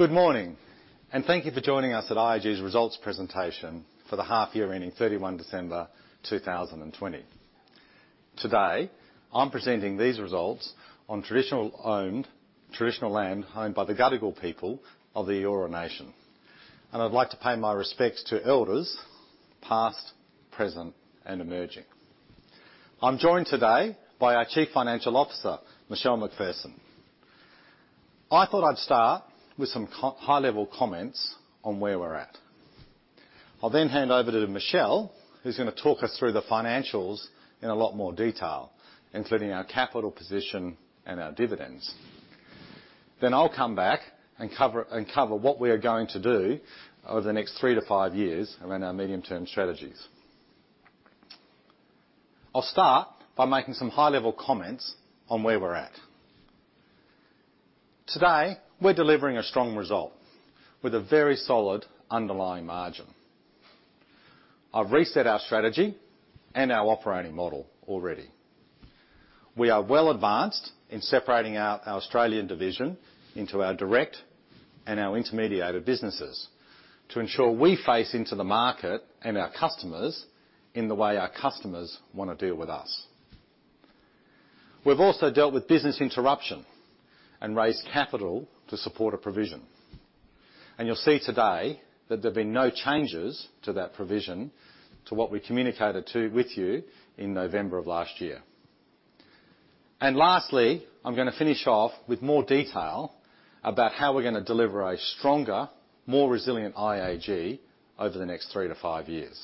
Good morning, and thank you for joining us at IAG's results presentation for the half year ending 31 December 2020. Today, I'm presenting these results on traditional land owned by the Gadigal people of the Eora nation, and I'd like to pay my respects to elders past, present, and emerging. I'm joined today by our Chief Financial Officer, Michelle McPherson. I thought I'd start with some high-level comments on where we're at. I'll hand over to Michelle, who's going to talk us through the financials in a lot more detail, including our capital position and our dividends. I'll come back and cover what we are going to do over the next three to five years around our medium-term strategies. I'll start by making some high-level comments on where we're at. Today, we're delivering a strong result with a very solid underlying margin. I've reset our strategy and our operating model already. We are well advanced in separating our Australian division into our direct and our intermediated businesses to ensure we face into the market and our customers in the way our customers want to deal with us. We've also dealt with business interruption and raised capital to support a provision. You'll see today that there have been no changes to that provision to what we communicated with you in November of last year. Lastly, I'm going to finish off with more detail about how we're going to deliver a stronger, more resilient IAG over the next three to five years.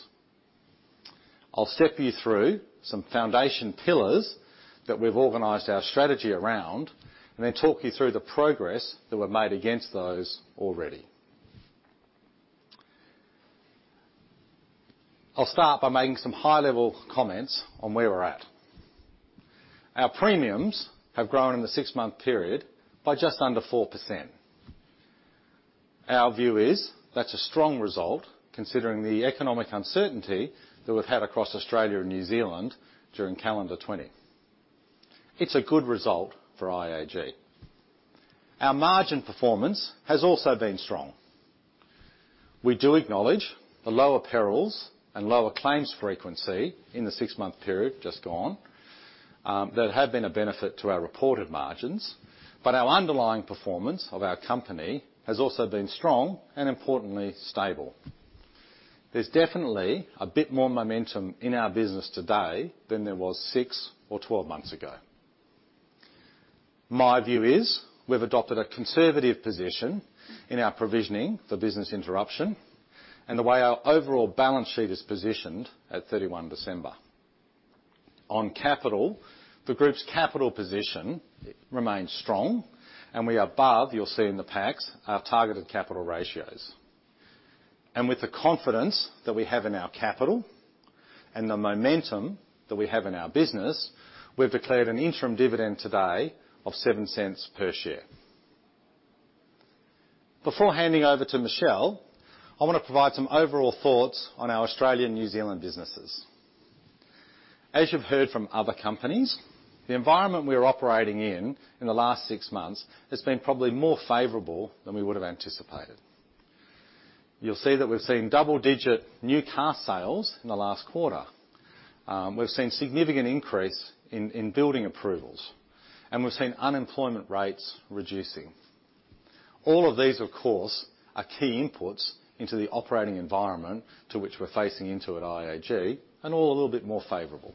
I'll step you through some foundation pillars that we've organized our strategy around. Then talk you through the progress that we've made against those already. I'll start by making some high-level comments on where we're at. Our premiums have grown in the six-month period by just under 4%. Our view is that's a strong result considering the economic uncertainty that we've had across Australia and New Zealand during calendar 2020. It's a good result for IAG. Our margin performance has also been strong. We do acknowledge the lower perils and lower claims frequency in the six-month period just gone that have been a benefit to our reported margins. Our underlying performance of our company has also been strong and importantly, stable. There's definitely a bit more momentum in our business today than there was six or 12 months ago. My view is we've adopted a conservative position in our provisioning for business interruption and the way our overall balance sheet is positioned at 31 December. On capital, the group's capital position remains strong, and we are above, you'll see in the packs, our targeted capital ratios. With the confidence that we have in our capital and the momentum that we have in our business, we've declared an interim dividend today of 0.07 per share. Before handing over to Michelle, I want to provide some overall thoughts on our Australian-New Zealand businesses. As you've heard from other companies, the environment we are operating in in the last six months has been probably more favorable than we would've anticipated. You'll see that we've seen double-digit new car sales in the last quarter. We've seen significant increase in building approvals, and we've seen unemployment rates reducing. All of these, of course, are key inputs into the operating environment to which we're facing into at IAG and all a little bit more favorable.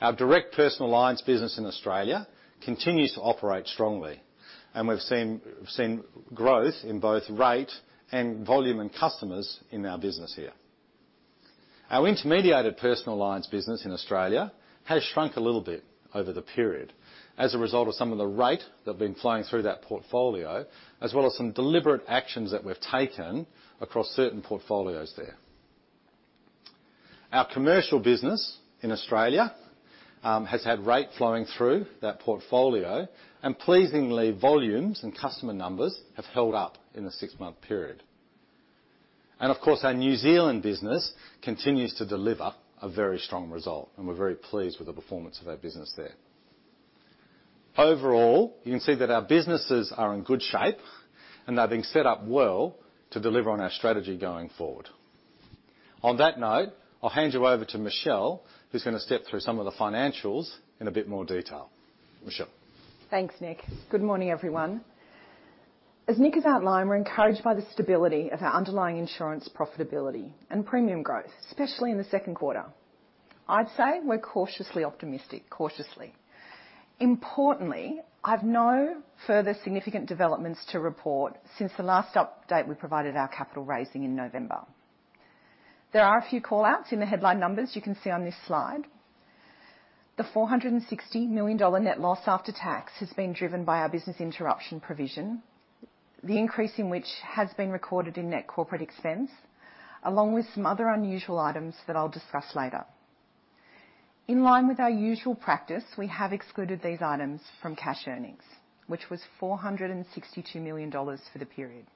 Our direct personal lines business in Australia continues to operate strongly, and we've seen growth in both rate and volume in customers in our business here. Our intermediated personal lines business in Australia has shrunk a little bit over the period as a result of some of the rate that have been flowing through that portfolio, as well as some deliberate actions that we've taken across certain portfolios there. Our commercial business in Australia has had rate flowing through that portfolio, and pleasingly, volumes and customer numbers have held up in the six-month period. Of course, our New Zealand business continues to deliver a very strong result, and we're very pleased with the performance of our business there. Overall, you can see that our businesses are in good shape, and they're being set up well to deliver on our strategy going forward. On that note, I'll hand you over to Michelle, who's going to step through some of the financials in a bit more detail. Michelle? Thanks, Nick. Good morning, everyone. As Nick has outlined, we're encouraged by the stability of our underlying insurance profitability and premium growth, especially in the second quarter. I'd say we're cautiously optimistic. Cautiously. I've no further significant developments to report since the last update we provided our capital raising in November. There are a few call-outs in the headline numbers you can see on this slide. The 460 million dollar net loss after tax is being driven by our business interruption provision, the increase in which has been recorded in net corporate expense, along with some other unusual items that I'll discuss later. In line with our usual practice, we have excluded these items from cash earnings, which was 462 million dollars for the period.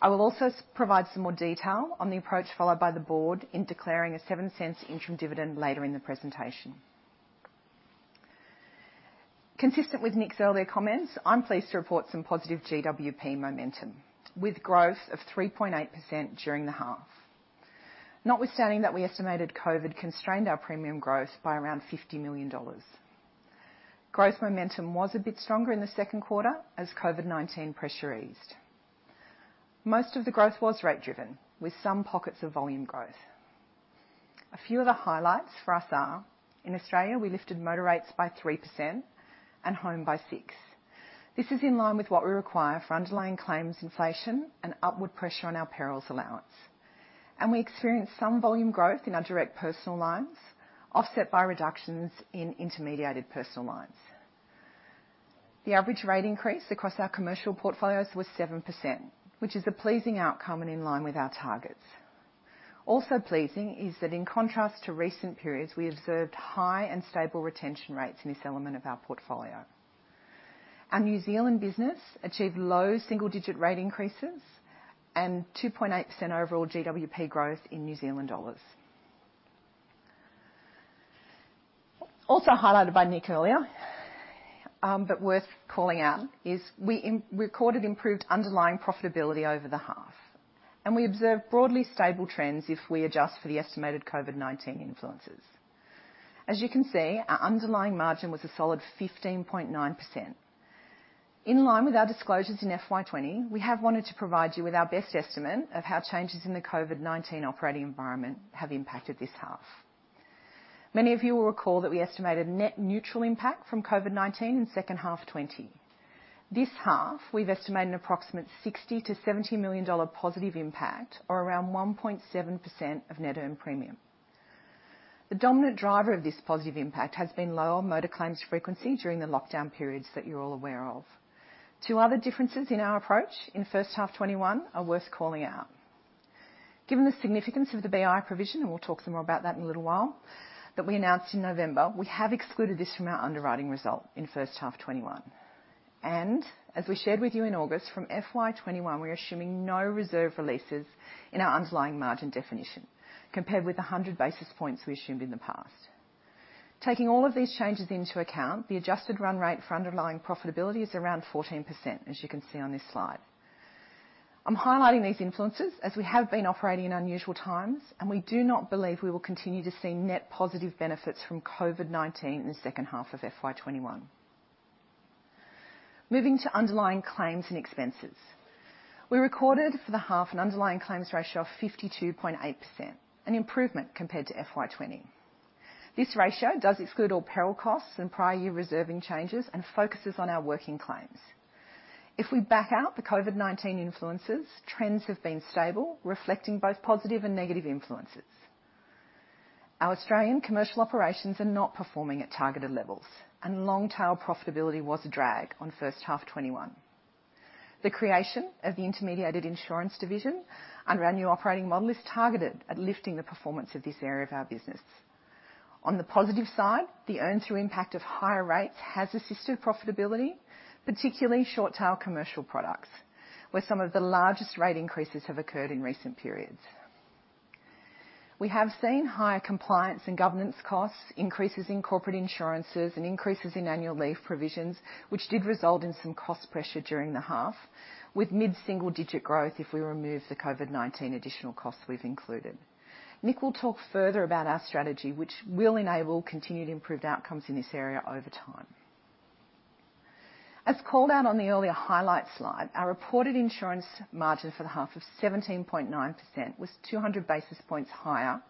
I will also provide some more detail on the approach followed by the Board in declaring an 0.07 interim dividend later in the presentation. Consistent with Nick's comments, I'm pleased to report some positive GWP momentum with growth of 3.8% during the half. Notwithstanding that we estimated COVID constrained our premium growth by around 50 million dollars. Growth momentum was a bit stronger in the second quarter, as COVID-19 pressure eased. Most of the growth was rate driven, with some pockets of volume growth. A few of the highlights for us are, in Australia, we lifted motor rates by 3% and home by 6%. This is in line with what we require for underlying claims inflation and upward pressure on our perils allowance. We experienced some volume growth in our direct personal lines, offset by reductions in intermediated personal lines. The average rate increase across our commercial portfolios was 7%, which is a pleasing outcome and in line with our targets. Also pleasing is that in contrast to recent periods, I observed high and stable retention rates in this element of our portfolio. Our New Zealand business achieved low single-digit rate increases and 2.8% overall GWP growth in New Zealand dollars. Also highlighted by Nick earlier, but worth calling out, is we recorded improved underlying profitability over the half, and we observed broadly stable trends if we adjust for the estimated COVID-19 influences. As you can see, our underlying margin was a solid 15.9%. In line with our disclosures in FY 2020, we have wanted to provide you with our best estimate of how changes in the COVID-19 operating environment have impacted this half. Many of you will recall that we estimated net neutral impact from COVID-19 in second half 2020. This half, we've estimated an approximate 60 million-70 million dollar positive impact, or around 1.7% of net earned premium. The dominant driver of this positive impact has been lower motor claims frequency during the lockdown periods that you're all aware of. Two other differences in our approach in first half 2021 are worth calling out. Given the significance of the BI provision, and we'll talk some more about that in a little while, that we announced in November, we have excluded this from our underwriting result in first half 2021. As we shared with you in August, from FY 2021, we're assuming no reserve releases in our underlying margin definition, compared with 100 basis points we assumed in the past. Taking all of these changes into account, the adjusted run rate for underlying profitability is around 14%, as you can see on this slide. I'm highlighting these influences as we have been operating in unusual times, and we do not believe we will continue to see net positive benefits from COVID-19 in the second half of FY 2021. Moving to underlying claims and expenses. We recorded for the half an underlying claims ratio of 52.8%, an improvement compared to FY 2020. This ratio does exclude all peril costs and prior year reserving changes and focuses on our working claims. If we back out the COVID-19 influences, trends have been stable, reflecting both positive and negative influences. Our Australian commercial operations are not performing at targeted levels, and long tail profitability was a drag on first half 2021. The creation of the Intermediated Insurance division under our new operating model is targeted at lifting the performance of this area of our business. On the positive side, the earn through impact of higher rates has assisted profitability, particularly short tail commercial products, where some of the largest rate increases have occurred in recent periods. We have seen higher compliance and governance costs, increases in corporate insurances, and increases in annual leave provisions, which did result in some cost pressure during the half, with mid-single digit growth if we remove the COVID-19 additional costs we've included. Nick will talk further about our strategy, which will enable continued improved outcomes in this area over time. As called out on the earlier highlight slide, our reported insurance margin for the half of 17.9% was 200 basis points higher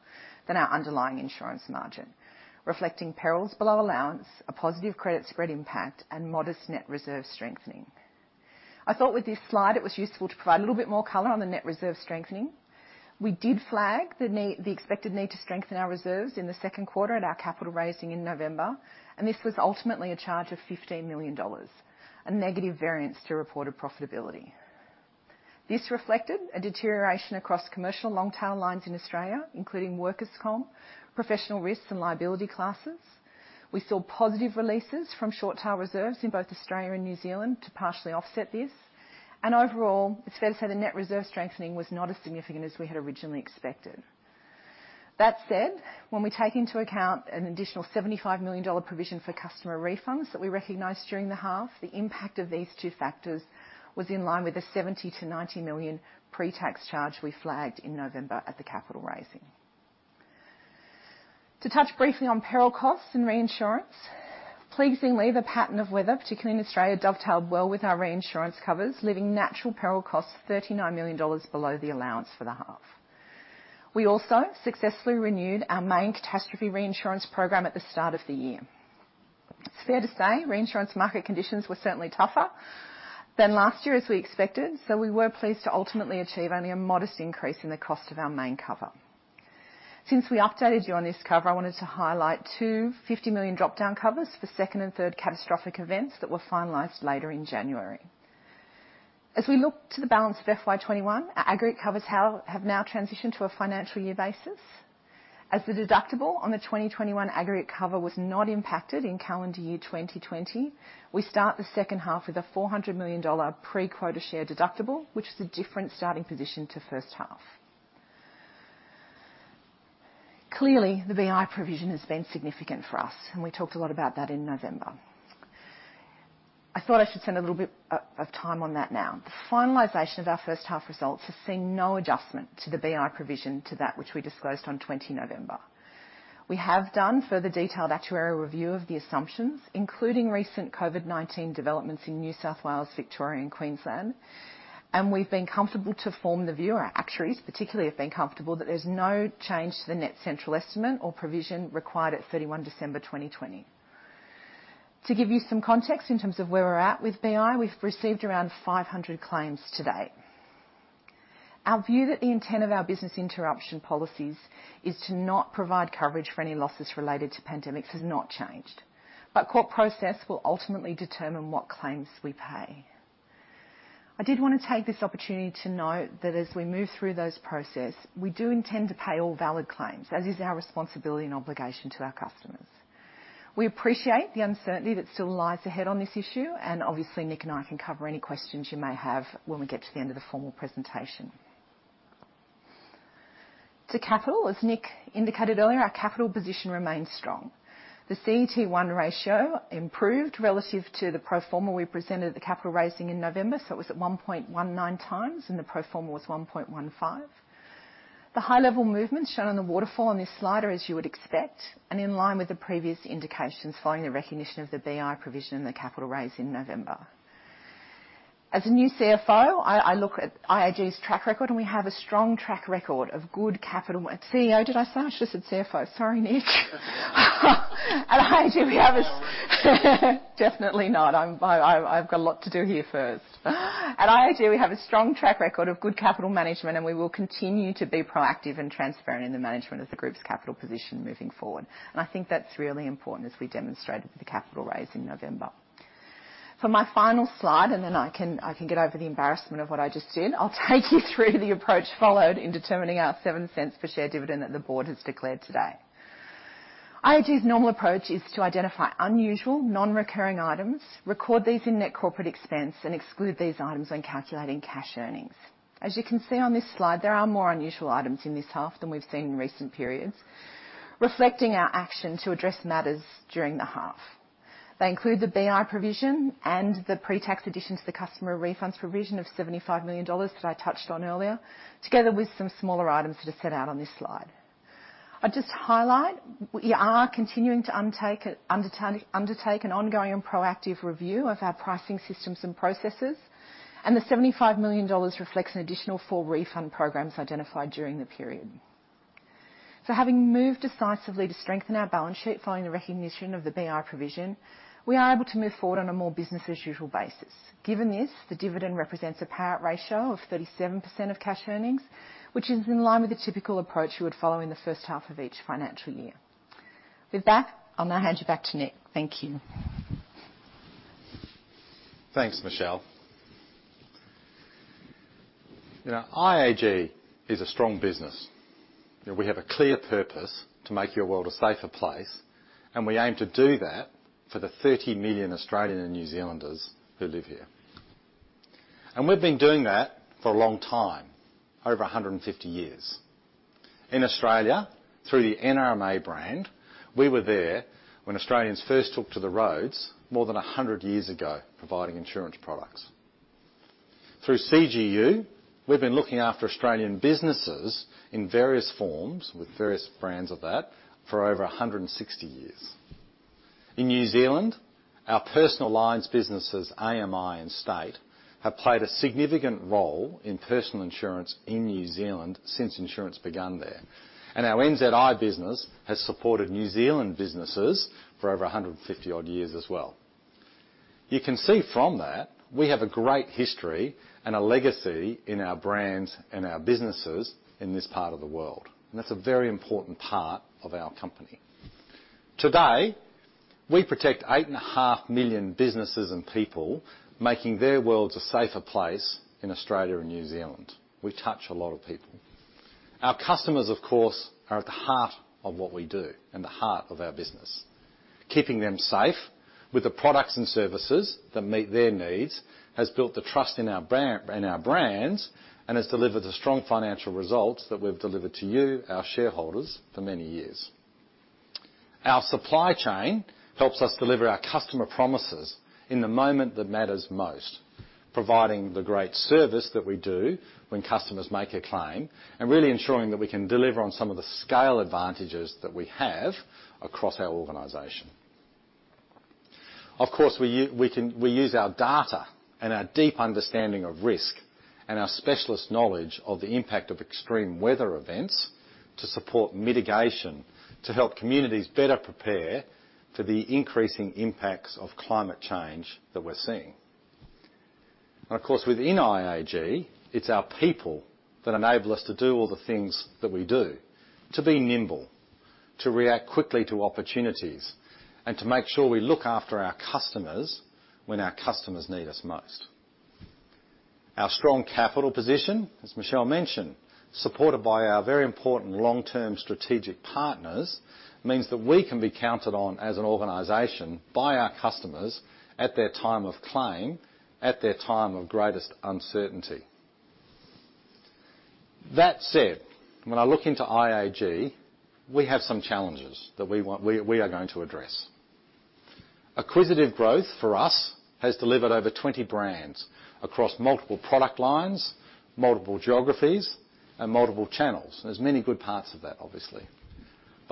than our underlying insurance margin, reflecting perils below allowance, a positive credit spread impact, and modest net reserve strengthening. I thought with this slide it was useful to provide a little bit more color on the net reserve strengthening. We did flag the expected need to strengthen our reserves in the second quarter at our capital raising in November. This was ultimately a charge of 15 million dollars, a negative variance to reported profitability. This reflected a deterioration across commercial long tail lines in Australia, including workers' comp, professional risks, and liability classes. We saw positive releases from short tail reserves in both Australia and New Zealand to partially offset this. Overall, it's fair to say the net reserve strengthening was not as significant as we had originally expected. That said, when we take into account an additional AUD 75 million provision for customer refunds that we recognized during the half, the impact of these two factors was in line with the 70 million-90 million pre-tax charge we flagged in November at the capital raising. To touch briefly on peril costs and reinsurance. Pleasingly, the pattern of weather, particularly in Australia, dovetailed well with our reinsurance covers, leaving natural peril costs 39 million dollars below the allowance for the half. We also successfully renewed our main catastrophe reinsurance program at the start of the year. It's fair to say reinsurance market conditions were certainly tougher than last year as we expected, so we were pleased to ultimately achieve only a modest increase in the cost of our main cover. Since we updated you on this cover, I wanted to highlight two 50 million dropdown covers for second and third catastrophic events that were finalized later in January. As we look to the balance of FY 2021, our aggregate covers have now transitioned to a financial year basis. As the deductible on the 2021 aggregate cover was not impacted in calendar year 2020, we start the second half with a 400 million dollar pre-quota share deductible, which is a different starting position to first half. Clearly, the BI provision has been significant for us, and we talked a lot about that in November. I thought I should spend a little bit of time on that now. The finalization of our first half results has seen no adjustment to the BI provision to that which we disclosed on November 20. We have done further detailed actuarial review of the assumptions, including recent COVID-19 developments in New South Wales, Victoria, and Queensland, and we've been comfortable to form the view, our actuaries particularly have been comfortable, that there's no change to the net central estimate or provision required at 31 December, 2020. To give you some context in terms of where we're at with BI, we've received around 500 claims to date. Our view that the intent of our business interruption policies is to not provide coverage for any losses related to pandemics has not changed, but court process will ultimately determine what claims we pay. I did want to take this opportunity to note that as we move through those processes, we do intend to pay all valid claims, as is our responsibility and obligation to our customers. We appreciate the. Obviously Nick and I can cover any questions you may have when we get to the end of the formal presentation. To capital, as Nick indicated earlier, our capital position remains strong. The CET1 ratio improved relative to the pro forma we presented at the capital raising in November, so it was at 1.19x, and the pro forma was 1.15x. The high-level movement shown on the waterfall on this slide are as you would expect, and in line with the previous indications following the recognition of the BI provision and the capital raise in November. As a new CFO, I look at IAG's track record, and we have a strong track record of good capital. CEO, did I say? I should've said CFO. Sorry, Nick. At IAG, we have a- Definitely not. I've got a lot to do here first. At IAG, we have a strong track record of good capital management, and we will continue to be proactive and transparent in the management of the group's capital position moving forward. I think that's really important as we demonstrated with the capital raise in November. For my final slide, and then I can get over the embarrassment of what I just did, I'll take you through the approach followed in determining our 0.07 per share dividend that the Board has declared today. IAG's normal approach is to identify unusual non-recurring items, record these in net corporate expense, and exclude these items when calculating cash earnings. As you can see on this slide, there are more unusual items in this half than we've seen in recent periods, reflecting our action to address matters during the half. They include the BI provision and the pre-tax addition to the customer refunds provision of 75 million dollars that I touched on earlier, together with some smaller items that are set out on this slide. I'd just highlight, we are continuing to undertake an ongoing and proactive review of our pricing systems and processes, the 75 million dollars reflects an additional four refund programs identified during the period. Having moved decisively to strengthen our balance sheet following the recognition of the BI provision, we are able to move forward on a more business as usual basis. Given this, the dividend represents a payout ratio of 37% of cash earnings, which is in line with the typical approach you would follow in the first half of each financial year. With that, I'll now hand you back to Nick. Thank you. Thanks, Michelle. IAG is a strong business. We have a clear purpose to make your world a safer place, we aim to do that for the 30 million Australian and New Zealanders who live here. We've been doing that for a long time, over 150 years. In Australia, through the NRMA brand, we were there when Australians first took to the roads more than 100 years ago providing insurance products. Through CGU, we've been looking after Australian businesses in various forms with various brands of that for over 160 years. In New Zealand, our personal lines businesses, AMI and State, have played a significant role in personal insurance in New Zealand since insurance begun there. Our NZI business has supported New Zealand businesses for over 150-odd years as well. You can see from that, we have a great history and a legacy in our brands and our businesses in this part of the world, and that's a very important part of our company. Today, we protect 8.5 million businesses and people making their worlds a safer place in Australia and New Zealand. We touch a lot of people. Our customers, of course, are at the heart of what we do and the heart of our business. Keeping them safe with the products and services that meet their needs has built the trust in our brands and has delivered the strong financial results that we've delivered to you, our shareholders, for many years. Our supply chain helps us deliver our customer promises in the moment that matters most, providing the great service that we do when customers make a claim and really ensuring that we can deliver on some of the scale advantages that we have across our organization. Of course, we use our data and our deep understanding of risk and our specialist knowledge of the impact of extreme weather events to support mitigation to help communities better prepare for the increasing impacts of climate change that we're seeing. Of course, within IAG, it's our people that enable us to do all the things that we do to be nimble, to react quickly to opportunities, and to make sure we look after our customers when our customers need us most. Our strong capital position, as Michelle mentioned, supported by our very important long-term strategic partners, means that we can be counted on as an organization by our customers at their time of claim, at their time of greatest uncertainty. That said, when I look into IAG, we have some challenges that we are going to address. Acquisitive growth for us has delivered over 20 brands across multiple product lines, multiple geographies, and multiple channels. There's many good parts of that, obviously.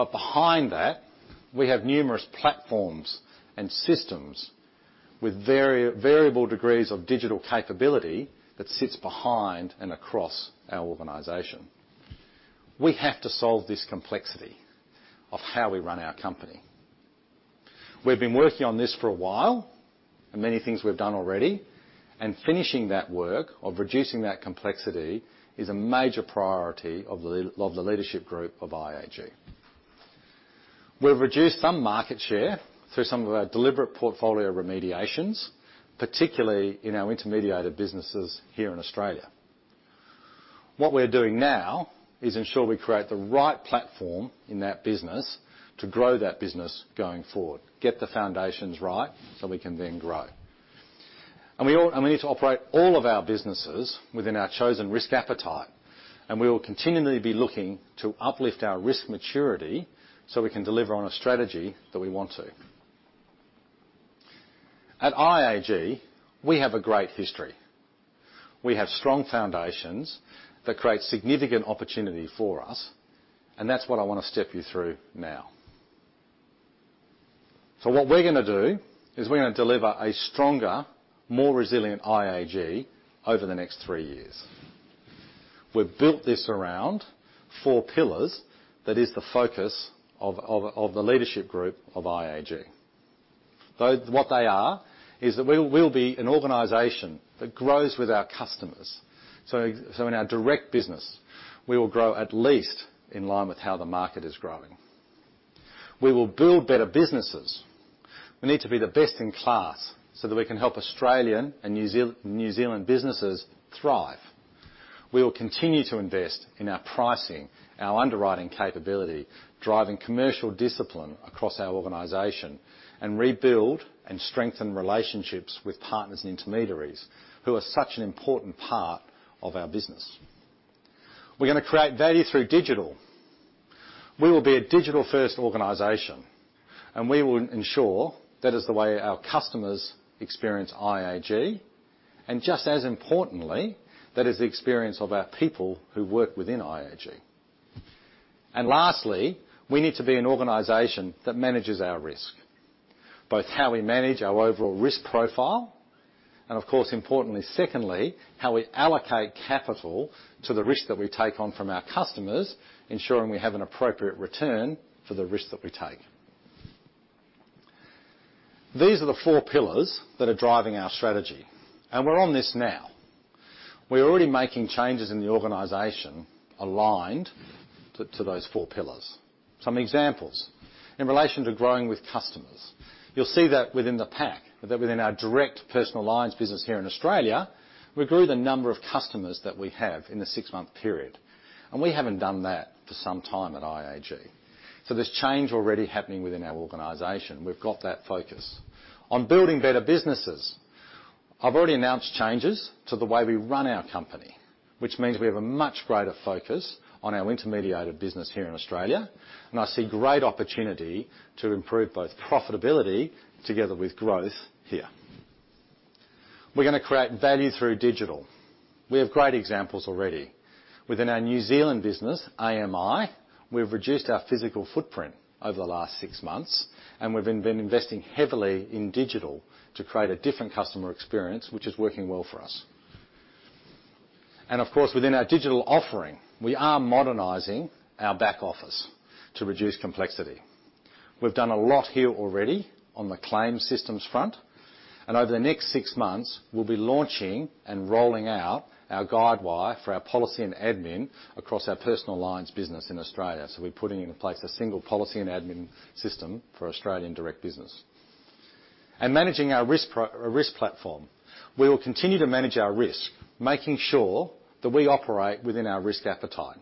Behind that, we have numerous platforms and systems with variable degrees of digital capability that sits behind and across our organization. We have to solve this complexity of how we run our company. We've been working on this for a while, and many things we've done already, and finishing that work of reducing that complexity is a major priority of the leadership group of IAG. We've reduced some market share through some of our deliberate portfolio remediations, particularly in our intermediated businesses here in Australia. What we're doing now is ensure we create the right platform in that business to grow that business going forward, get the foundations right so we can then grow. We need to operate all of our businesses within our chosen risk appetite, and we will continually be looking to uplift our risk maturity so we can deliver on a strategy that we want to. At IAG, we have a great history. We have strong foundations that create significant opportunities for us, and that's what I want to step you through now. What we're going to do is we're going to deliver a stronger, more resilient IAG over the next three years. We've built this around four pillars that is the focus of the leadership group of IAG. What they are is that we will be an organization that grows with our customers. In our direct business, we will grow at least in line with how the market is growing. We will build better businesses. We need to be the best in class so that we can help Australian and New Zealand businesses thrive. We will continue to invest in our pricing, our underwriting capability, driving commercial discipline across our organization, and rebuild and strengthen relationships with partners and intermediaries who are such an important part of our business. We're going to create value through digital. We will be a digital-first organization, and we will ensure that is the way our customers experience IAG, and just as importantly, that is the experience of our people who work within IAG. Lastly, we need to be an organization that manages our risk, both how we manage our overall risk profile, and of course, importantly secondly, how we allocate capital to the risk that we take on from our customers, ensuring we have an appropriate return for the risk that we take. These are the four pillars that are driving our strategy. We're on this now. We're already making changes in the organization aligned to those four pillars. Some examples. In relation to growing with customers, you'll see that within the pack, that within our direct personal lines business here in Australia, we grew the number of customers that we have in the six-month period. We haven't done that for some time at IAG. There's change already happening within our organization. We've got that focus. On building better businesses, I've already announced changes to the way we run our company, which means we have a much greater focus on our intermediated business here in Australia, and I see great opportunity to improve both profitability together with growth here. We're going to create value through digital. We have great examples already. Within our New Zealand business, AMI, we've reduced our physical footprint over the last six months, and we've been investing heavily in digital to create a different customer experience, which is working well for us. Of course, within our digital offering, we are modernizing our back office to reduce complexity. We've done a lot here already on the claim systems front, and over the next six months, we'll be launching and rolling out our Guidewire for our policy and admin across our personal lines business in Australia. We're putting in place a single policy and admin system for Australian direct business. Managing our risk platform. We will continue to manage our risk, making sure that we operate within our risk appetite.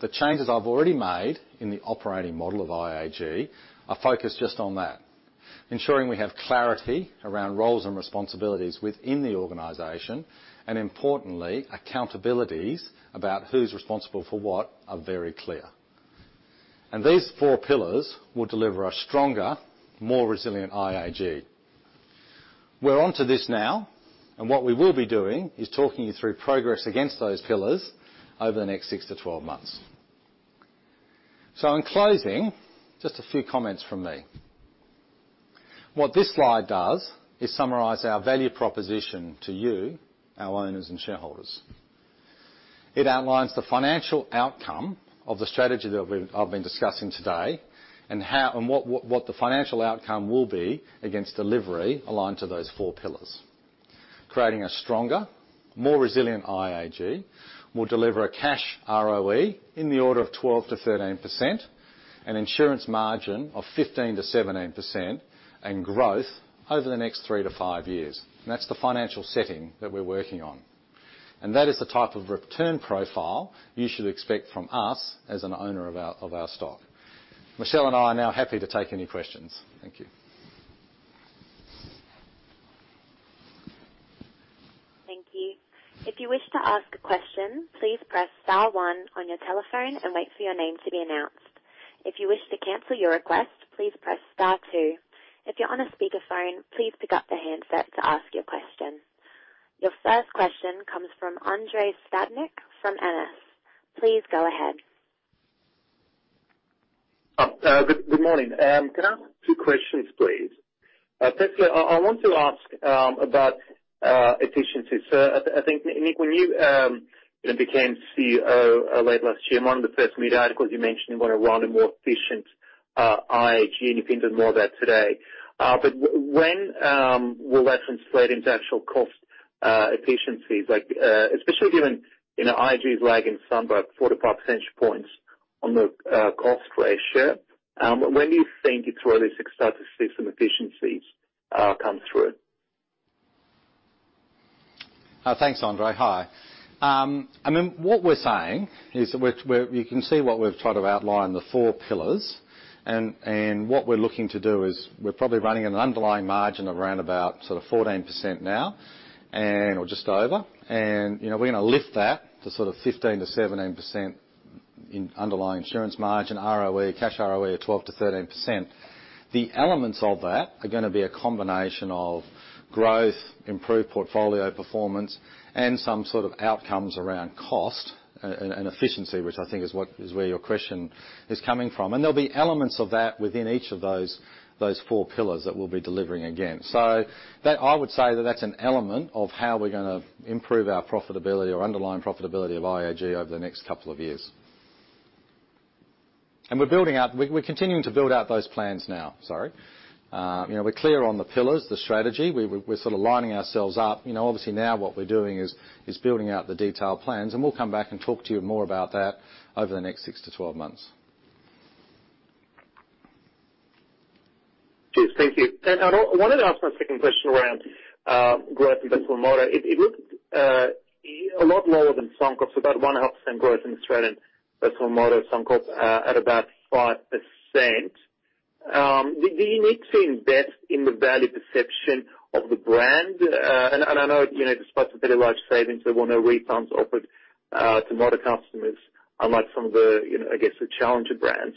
The changes I've already made in the operating model of IAG are focused just on that, ensuring we have clarity around roles and responsibilities within the organization, and importantly, accountabilities about who's responsible for what are very clear. These four pillars will deliver a stronger, more resilient IAG. We're onto this now, and what we will be doing is talking you through progress against those pillars over the next 6-12 months. In closing, just a few comments from me. What this slide does is summarize our value proposition to you, our owners and shareholders. It outlines the financial outcome of the strategy that I've been discussing today, and what the financial outcome will be against delivery aligned to those four pillars. Creating a stronger, more resilient IAG will deliver a cash ROE in the order of 12%-13%, an insurance margin of 15%-17%, and growth over the next three to five years. That's the financial setting that we're working on. That is the type of return profile you should expect from us as an owner of our stock. Michelle and I are now happy to take any questions. Thank you. Thank you. If you wish to ask a question, please press star one on your telephone and wait for your name to be announced. If you wish to cancel your request, please press star two. If you're on a speakerphone, please pick up the headset to ask a question. Our first question comes from Andrei Stadnik from MS. Please go ahead. Good morning. Can I ask two questions, please? Firstly, I want to ask about efficiencies. I think, Nick, when you became CEO late last year, among the first media articles you mentioned you want to run a more efficient IAG, and you've hinted more of that today. When will that translate into actual cost efficiencies? Especially given IAG is lagging Suncorp 4-5 percentage points on the cost ratio. When do you think it's realistic start to see some efficiencies come through? Thanks, Andrei. Hi. What we're saying is, you can see what we've tried to outline the four pillars and what we're looking to do is we're probably running an underlying margin of around about 14% now, or just over, and we're going to lift that to 15%-17% in underlying insurance margin, ROE, cash ROE of 12%-13%. The elements of that are going to be a combination of growth, improved portfolio performance, and some sort of outcomes around cost and efficiency, which I think is where your question is coming from. There'll be elements of that within each of those four pillars that we'll be delivering again. I would say that that's an element of how we're going to improve our profitability or underlying profitability of IAG over the next couple of years. We're continuing to build out those plans now, sorry. We're clear on the pillars, the strategy. We're sort of lining ourselves up. Obviously, now what we're doing is building out the detailed plans, and we'll come back and talk to you more about that over the next 6-12 months. Cheers. Thank you. I wanted to ask my second question around growth in personal motor. It looked a lot lower than Suncorp's, about 1.5% growth in Australian personal motor, Suncorp at about 5%. Do you need to invest in the value perception of the brand? I know, despite the very large savings, there were no refunds offered to motor customers, unlike some of the, I guess, the challenger brands.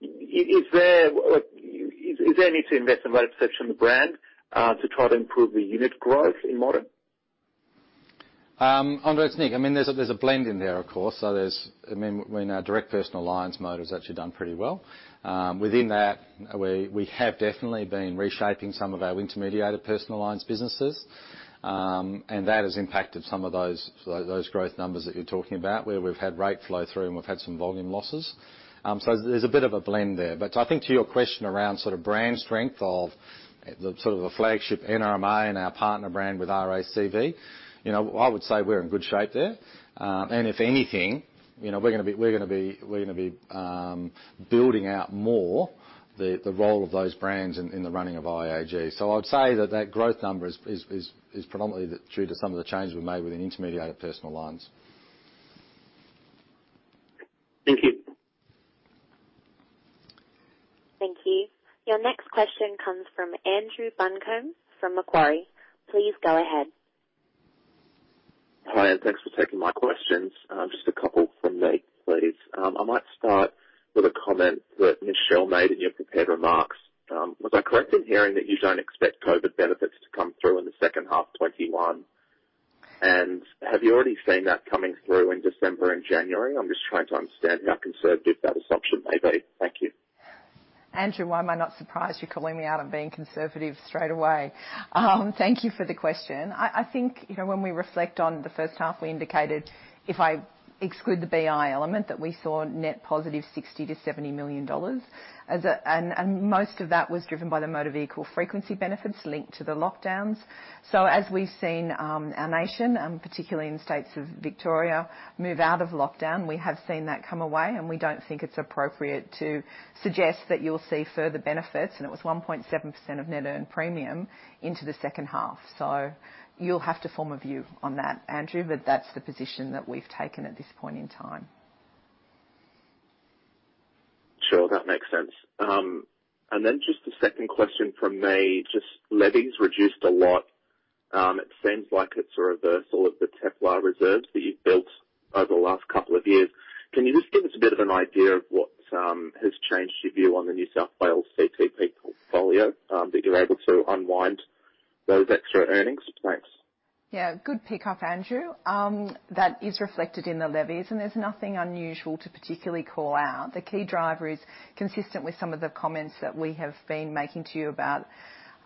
Is there a need to invest in value perception of the brand to try to improve the unit growth in motor? Andrei, it's Nick. There's a blend in there, of course. Our direct personal lines motor has actually done pretty well. Within that, we have definitely been reshaping some of our intermediated personal lines businesses, and that has impacted some of those growth numbers that you're talking about, where we've had rate flow through and we've had some volume losses. There's a bit of a blend there. I think to your question around brand strength of the flagship NRMA and our partner brand with RACV, I would say we're in good shape there. If anything, we're going to be building out more the role of those brands in the running of IAG. I'd say that that growth number is predominantly due to some of the changes we made within intermediated personal lines. Thank you. Thank you. Your next question comes from Andrew Buncombe from Macquarie. Please go ahead. Hi, thanks for taking my questions. Just a couple from me, please. I might start with a comment that Michelle made in your prepared remarks. Was I correct in hearing that you don't expect COVID-19 benefits to come through in the second half FY 2021? Have you already seen that coming through in December and January? I'm just trying to understand how conservative that assumption may be. Thank you. Andrew, why am I not surprised you're calling me out on being conservative straight away? Thank you for the question. I think when we reflect on the first half, we indicated, if I exclude the BI element, that we saw net positive 60 million-70 million dollars, and most of that was driven by the motor vehicle frequency benefits linked to the lockdowns. As we've seen our nation, and particularly in the states of Victoria, move out of lockdown, we have seen that come away, and we don't think it's appropriate to suggest that you'll see further benefits, and it was 1.7% of net earned premium into the second half. You'll have to form a view on that, Andrew, but that's the position that we've taken at this point in time. Sure, that makes sense. Just a second question from me, just levies reduced a lot. It seems like it's a reversal of the TEPL reserves that you've built over the last couple of years. Can you just give us a bit of an idea of what has changed your view on the New South Wales CTP portfolio that you're able to unwind those extra earnings? Thanks. Yeah. Good pick up, Andrew. That is reflected in the levies, and there's nothing unusual to particularly call out. The key driver is consistent with some of the comments that we have been making to you about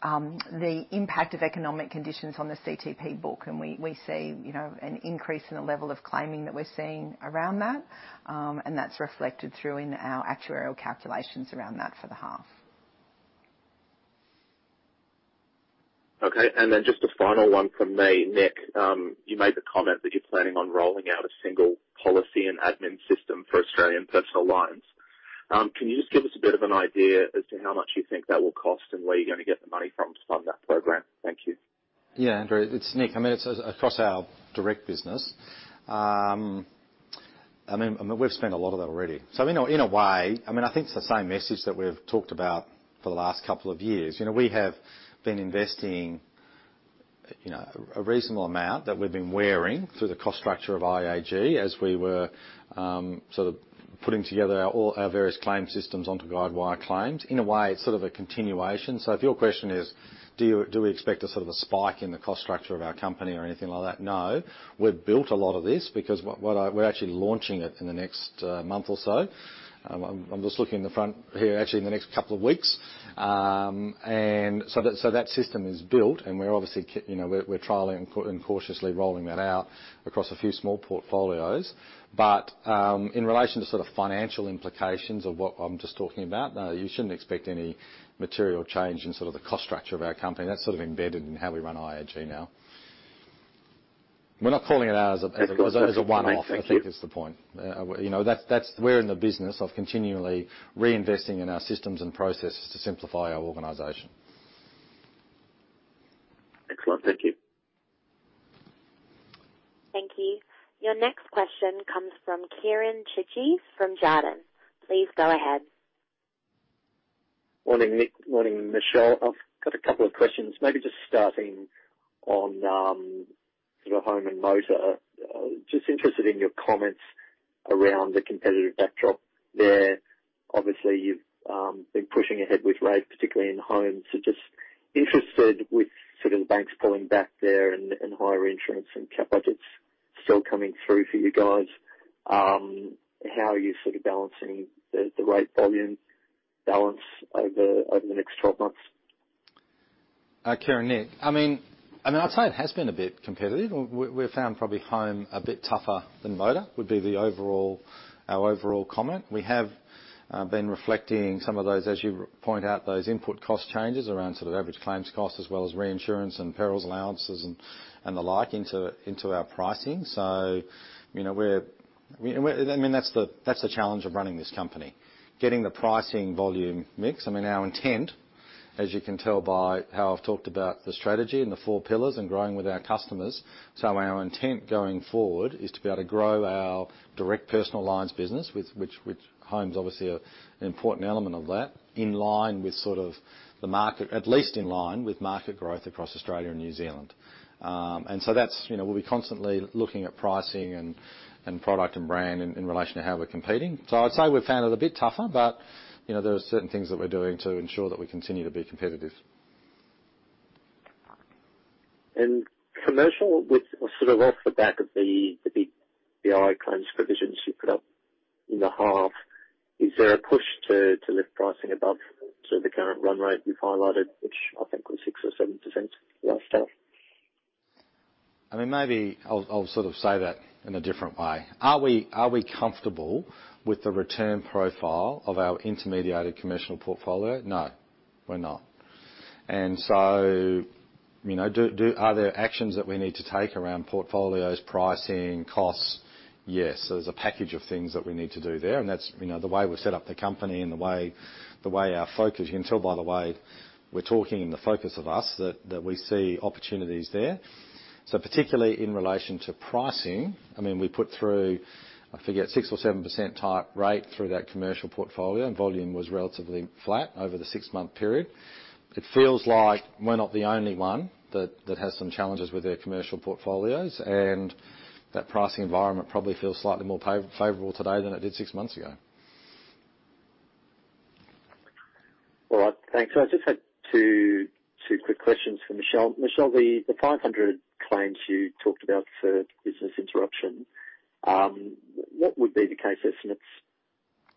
the impact of economic conditions on the CTP book, and we see an increase in the level of claiming that we're seeing around that, and that's reflected through in our actuarial calculations around that for the half. Okay. Just a final one from me. Nick, you made the comment that you're planning on rolling out a single policy and admin system for Australian personal lines. Can you just give us a bit of an idea as to how much you think that will cost and where you're going to get the money from to fund that program? Thank you. Andrew. It's Nick. It's across our direct business. I mean, we've spent a lot of that already. In a way, I think it's the same message that we've talked about for the last couple of years. We have been investing a reasonable amount that we've been wearing through the cost structure of IAG as we were sort of putting together all our various claim systems onto Guidewire Claim. In a way, it's sort of a continuation. If your question is, do we expect a sort of a spike in the cost structure of our company or anything like that? No. We've built a lot of this because we're actually launching it in the next month or so. I'm just looking in the front here. Actually, in the next couple of weeks. That system is built, and we're obviously trialing and cautiously rolling that out across a few small portfolios. In relation to sort of financial implications of what I'm just talking about, no, you shouldn't expect any material change in sort of the cost structure of our company. That's sort of embedded in how we run IAG now. We're not calling it out as a one-off. Of course. Thank you. I think is the point. We're in the business of continually reinvesting in our systems and processes to simplify our organization. Excellent. Thank you. Thank you. Your next question comes from Kieren Chidgey from Jarden. Please go ahead. Morning, Nick. Morning, Michelle. I've got a couple of questions. Maybe just starting on sort of home and motor. Just interested in your comments around the competitive backdrop there. Obviously, you've been pushing ahead with rates, particularly in homes. Just interested with sort of the banks pulling back there and higher insurance and CAT budgets still coming through for you guys, how are you sort of balancing the rate volume balance over the next 12 months? Kieren, Nick, I mean, I'd say it has been a bit competitive. We've found probably home a bit tougher than motor, would be our overall comment. We have been reflecting some of those, as you point out, those input cost changes around sort of average claims cost as well as reinsurance and perils allowances and the like into our pricing. That's the challenge of running this company, getting the pricing volume mix. I mean, our intent, as you can tell by how I've talked about the strategy and the four pillars and growing with our customers. Our intent going forward is to be able to grow our direct personal lines business, which homes obviously are an important element of that, at least in line with market growth across Australia and New Zealand. We'll be constantly looking at pricing and product and brand in relation to how we're competing. I'd say we've found it a bit tougher, but there are certain things that we're doing to ensure that we continue to be competitive. Commercial, sort of off the back of the big BI claims provisions you put up in the half, is there a push to lift pricing above the current run rate you've highlighted, which I think was 6% or 7% last time? I mean, maybe I'll sort of say that in a different way. Are we comfortable with the return profile of our intermediated commercial portfolio? No, we're not. Are there actions that we need to take around portfolios, pricing, costs? Yes. There's a package of things that we need to do there, and that's the way we've set up the company and you can tell by the way we're talking and the focus of us, that we see opportunities there. Particularly in relation to pricing, I mean, we put through, I forget, 6% or 7% type rate through that commercial portfolio, and volume was relatively flat over the six-month period. It feels like we're not the only one that has some challenges with their commercial portfolios, and that pricing environment probably feels slightly more favorable today than it did six months ago. All right. Thanks. I just had two quick questions for Michelle. Michelle, the 500 claims you talked about for business interruption, what would be the case estimates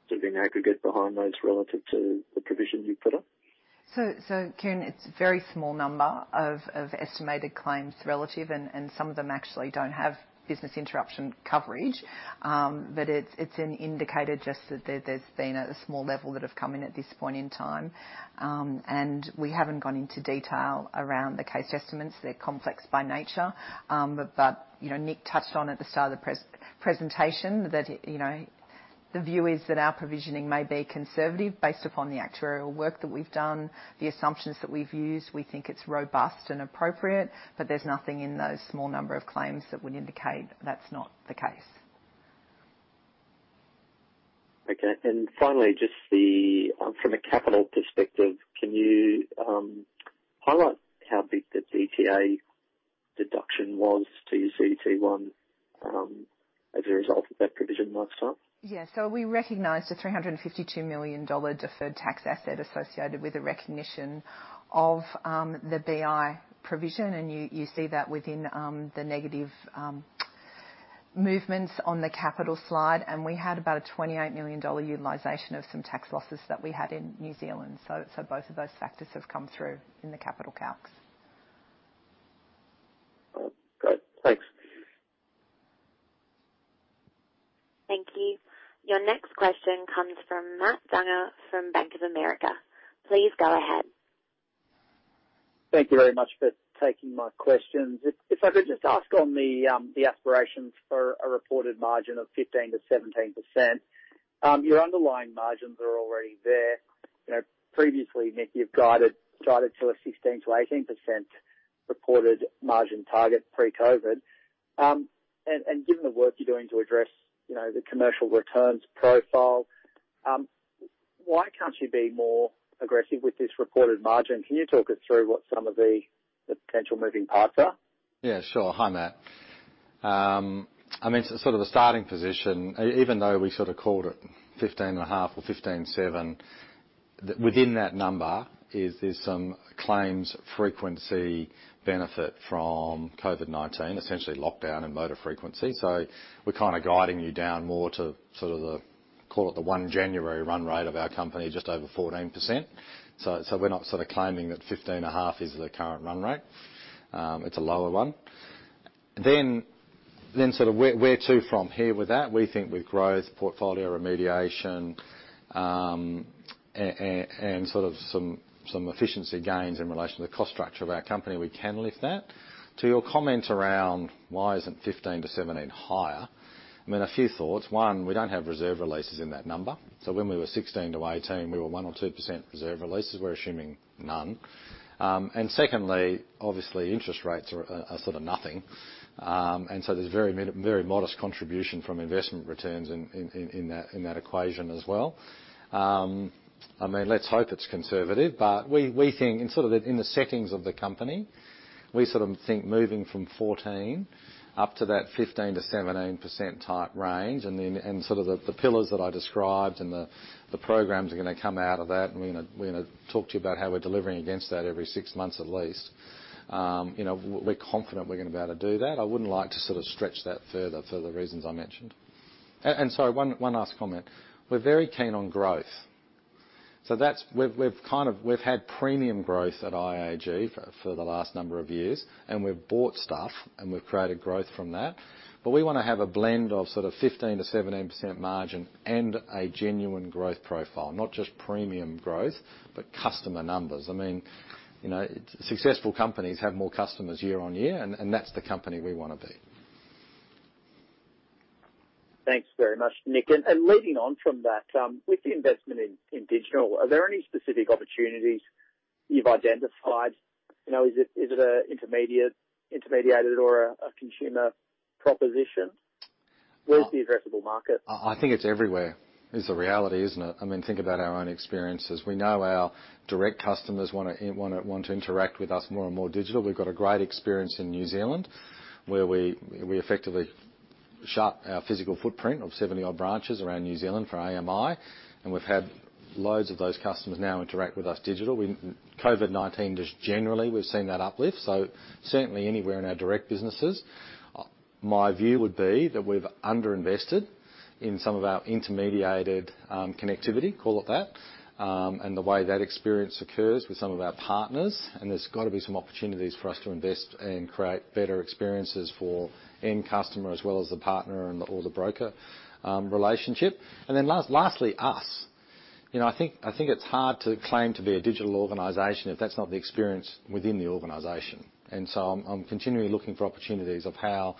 sort of in aggregate behind those relative to the provision you put up? Kieren, it's a very small number of estimated claims relative, and some of them actually don't have business interruption coverage. It's an indicator just that there's been at a small level that have come in at this point in time. We haven't gone into detail around the case estimates. They're complex by nature. Nick touched on at the start of the presentation that the view is that our provisioning may be conservative based upon the actuarial work that we've done, the assumptions that we've used. We think it's robust and appropriate, but there's nothing in those small number of claims that would indicate that's not the case. Okay. Finally, just from a capital perspective, can you highlight how big the DTA deduction was to your CET1 as a result of that provision last time? We recognized a 352 million dollar deferred tax asset associated with the recognition of the BI provision, and you see that within the negative movements on the capital slide. We had about a 28 million dollar utilization of some tax losses that we had in New Zealand. Both of those factors have come through in the capital calcs. Great. Thanks. Thank you. Your next question comes from Matt Dunger from Bank of America. Please go ahead. Thank you very much for taking my questions. If I could just ask on the aspirations for a reported margin of 15%-17%. Your underlying margins are already there. Previously, Nick, you've guided to a 16%-18% reported margin target pre-COVID. Given the work you're doing to address the commercial returns profile, why can't you be more aggressive with this reported margin? Can you talk us through what some of the potential moving parts are? Yeah, sure. Hi, Matt. Sort of a starting position, even though we sort of called it 15.5% or 15.7%, within that number is some claims frequency benefit from COVID-19, essentially lockdown and motor frequency. We're kind of guiding you down more to sort of the, call it the January 1 run rate of our company, just over 14%. We're not sort of claiming that 15.5% is the current run rate. It's a lower one. Sort of where to from here with that? We think with growth portfolio remediation, and sort of some efficiency gains in relation to the cost structure of our company, we can lift that. To your comment around why isn't 15%-17% higher? I mean, a few thoughts. One, we don't have reserve releases in that number. When we were 16%-18%, we were 1% or 2% reserve releases. We're assuming none. Secondly, obviously, interest rates are sort of nothing. There's very modest contribution from investment returns in that equation as well. I mean, let's hope it's conservative, but we think in the settings of the company, we sort of think moving from 14% up to that 15%-17% type range and sort of the pillars that I described and the programs are going to come out of that, and we're going to talk to you about how we're delivering against that every six months at least. We're confident we're going to be able to do that. I wouldn't like to sort of stretch that further for the reasons I mentioned. Sorry, one last comment. We're very keen on growth. We've had premium growth at IAG for the last number of years, and we've bought stuff, and we've created growth from that. We want to have a blend of sort of 15%-17% margin and a genuine growth profile, not just premium growth, but customer numbers. I mean, successful companies have more customers year-on-year, and that's the company we want to be. Thanks very much, Nick. Leading on from that, with the investment in digital, are there any specific opportunities you've identified? Is it intermediated or a consumer proposition? Where's the addressable market? I think it's everywhere, is the reality, isn't it? I mean, think about our own experiences. We know our direct customers want to interact with us more and more digital. We've got a great experience in New Zealand where we effectively shut our physical footprint of 70 odd branches around New Zealand for AMI, and we've had loads of those customers now interact with us digital. COVID-19 just generally, we've seen that uplift. Certainly anywhere in our direct businesses. My view would be that we've under-invested in some of our intermediated connectivity, call it that, and the way that experience occurs with some of our partners, and there's got to be some opportunities for us to invest and create better experiences for end customer as well as the partner or the broker relationship. Lastly, us. I think it's hard to claim to be a digital organization if that's not the experience within the organization. I'm continually looking for opportunities of how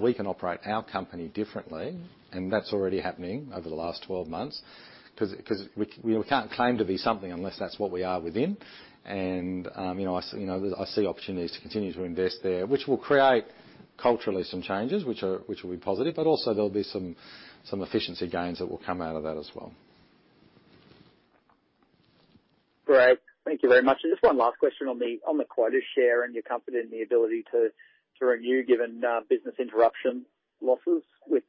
we can operate our company differently, and that's already happening over the last 12 months because we can't claim to be something unless that's what we are within. I see opportunities to continue to invest there, which will create culturally some changes, which will be positive, but also there'll be some efficiency gains that will come out of that as well. Great. Thank you very much. Just one last question on the quota share and your confidence in the ability to renew given business interruption losses with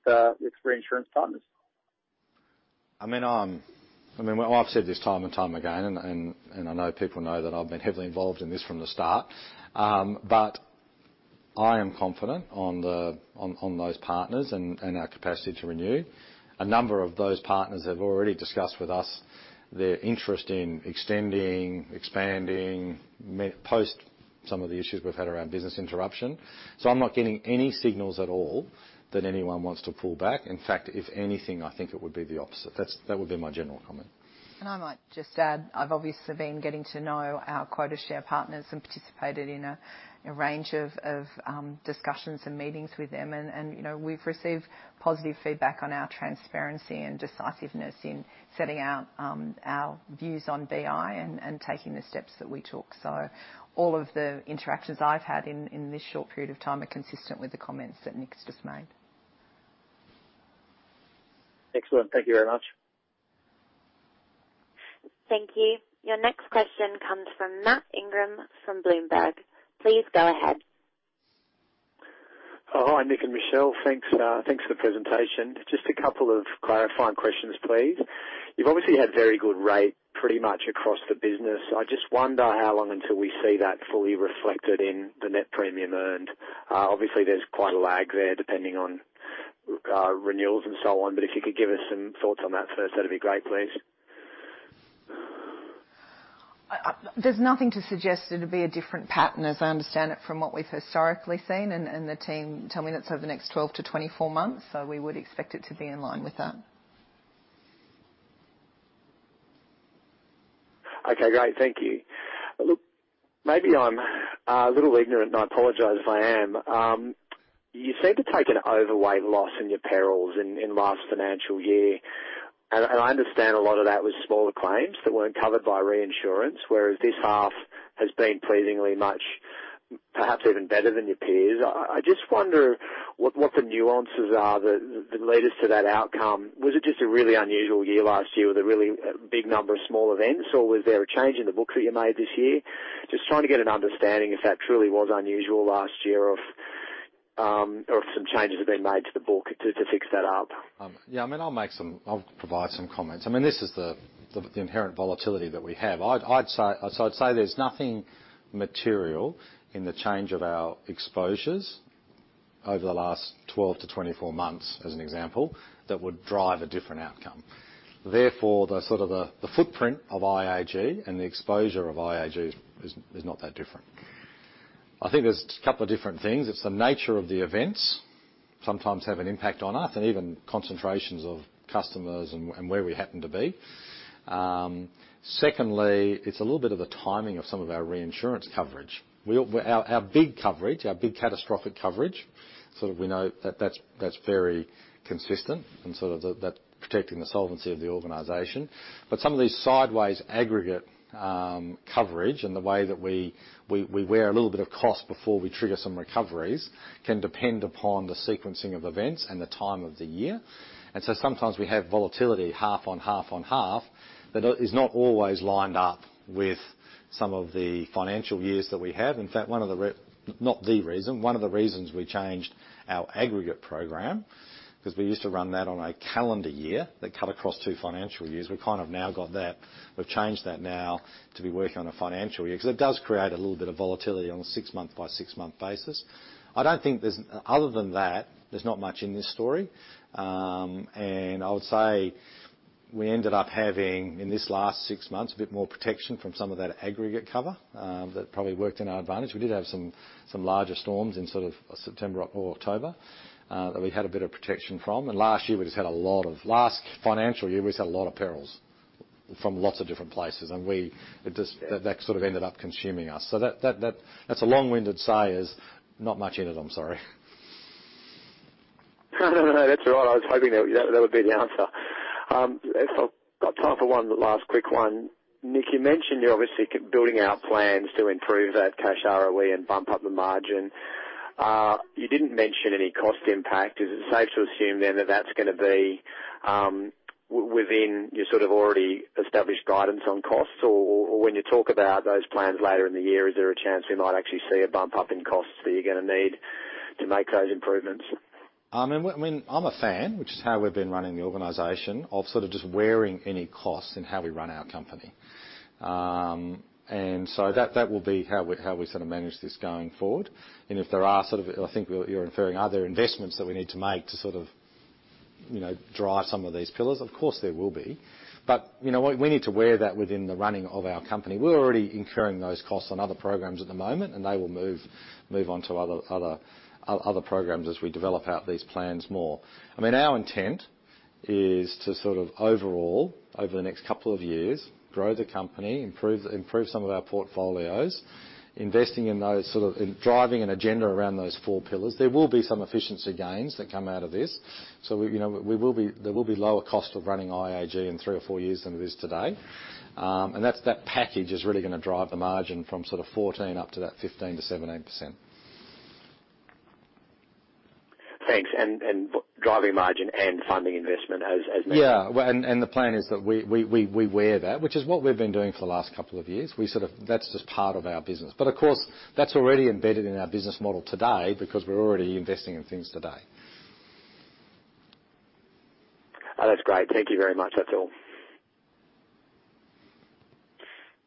reinsurance partners? I've said this time and time again, and I know people know that I've been heavily involved in this from the start. I am confident on those partners and our capacity to renew. A number of those partners have already discussed with us their interest in extending, expanding, post some of the issues we've had around business interruption. I'm not getting any signals at all that anyone wants to pull back. In fact, if anything, I think it would be the opposite. That would be my general comment. I might just add, I've obviously been getting to know our quota share partners and participated in a range of discussions and meetings with them, and we've received positive feedback on our transparency and decisiveness in setting out our views on BI and taking the steps that we took. All of the interactions I've had in this short period of time are consistent with the comments that Nick's just made. Excellent. Thank you very much. Thank you. Your next question comes from Matt Ingram from Bloomberg. Please go ahead. Hi, Nick and Michelle. Thanks for the presentation. Just a couple of clarifying questions, please. You've obviously had very good rate pretty much across the business. I just wonder how long until we see that fully reflected in the net premium earned. Obviously, there's quite a lag there depending on renewals and so on, but if you could give us some thoughts on that first, that'd be great, please. There's nothing to suggest it'll be a different pattern as I understand it from what we've historically seen. The team tell me that's over the next 12-24 months. We would expect it to be in line with that. Okay, great. Thank you. Look, maybe I'm a little ignorant, and I apologize if I am. You seem to take an overweight loss in your perils in last financial year. I understand a lot of that was smaller claims that weren't covered by reinsurance, whereas this half has been pleasingly much, perhaps even better than your peers. I just wonder what the nuances are that led us to that outcome. Was it just a really unusual year last year with a really big number of small events, or was there a change in the books that you made this year? Just trying to get an understanding if that truly was unusual last year, or if some changes have been made to the book to fix that up. I'll provide some comments. This is the inherent volatility that we have. I'd say there's nothing material in the change of our exposures over the last 12-24 months as an example, that would drive a different outcome. The footprint of IAG and the exposure of IAG is not that different. I think there's a couple of different things. It's the nature of the events sometimes have an impact on us and even concentrations of customers and where we happen to be. Secondly, it's a little bit of the timing of some of our reinsurance coverage. Our big coverage, our big catastrophic coverage, we know that's very consistent and that's protecting the solvency of the organization. Some of these sideways aggregate coverage and the way that we wear a little bit of cost before we trigger some recoveries can depend upon the sequencing of events and the time of the year. Sometimes we have volatility half on half on half that is not always lined up with some of the financial years that we have. In fact, one of the reasons we changed our aggregate program, because we used to run that on a calendar year that cut across two financial years. We've changed that now to be working on a financial year, because it does create a little bit of volatility on a six month by six month basis. Other than that, there's not much in this story. I would say we ended up having, in this last six months, a bit more protection from some of that aggregate cover that probably worked in our advantage. We did have some larger storms in September or October that we had a bit of protection from. Last financial year, we just had a lot of perils from lots of different places, and that sort of ended up consuming us. That's a long-winded say is not much in it, I'm sorry. No, that's all right. I was hoping that would be the answer. I've got time for one last quick one. Nick, you mentioned you're obviously building out plans to improve that cash ROE and bump up the margin. You didn't mention any cost impact. Is it safe to assume then that that's going to be within your sort of already established guidance on costs? When you talk about those plans later in the year, is there a chance we might actually see a bump up in costs that you're going to need to make those improvements? I'm a fan, which is how we've been running the organization of sort of just wearing any costs in how we run our company. That will be how we sort of manage this going forward. If there are sort of I think you're inferring are there investments that we need to make to sort of drive some of these pillars? Of course, there will be. We need to wear that within the running of our company. We're already incurring those costs on other programs at the moment, and they will move on to other programs as we develop out these plans more. Our intent is to sort of overall, over the next couple of years, grow the company, improve some of our portfolios, investing in those sort of and driving an agenda around those four pillars. There will be some efficiency gains that come out of this. There will be lower cost of running IAG in three or four years than it is today. That package is really going to drive the margin from sort of 14% up to that 15%-17%. Thanks. Driving margin and funding investment. Yeah. The plan is that we wear that, which is what we've been doing for the last couple of years. That's just part of our business. Of course, that's already embedded in our business model today because we're already investing in things today. That's great. Thank you very much. That's all.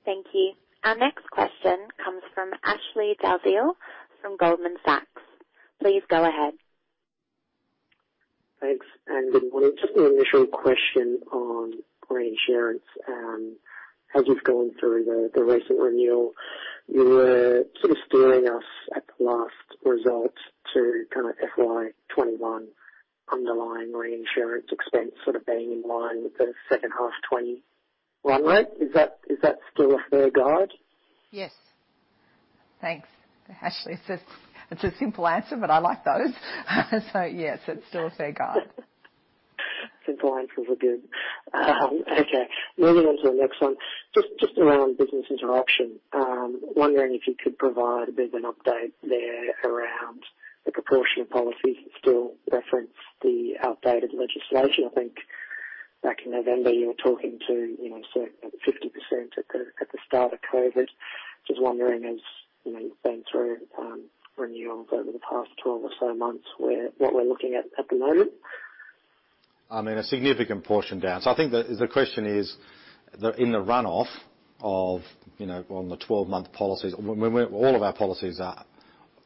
Thank you. Our next question comes from Ashley Dalziell from Goldman Sachs. Please go ahead. Thanks. Good morning. Just an initial question on reinsurance. As you've gone through the recent renewal, you were sort of steering us at the last result to kind of FY 2021 underlying reinsurance expense sort of being in line with the second half 2020 run rate. Is that still a fair guide? Yes. Thanks, Ashley. It's a simple answer, but I like those. Yes, it's still a fair guide. Simple answers are good. Okay, moving on to the next one. Just around business interruption. Wondering if you could provide a bit of an update there around the proportion of policies that still reference the outdated legislation. I think back in November, you were talking to 50% at the start of COVID-19. Just wondering, as you've been through renewals over the past 12 or so months, what we're looking at at the moment? A significant portion down. I think the question is that in the runoff of on the 12-month policies, when all of our policies are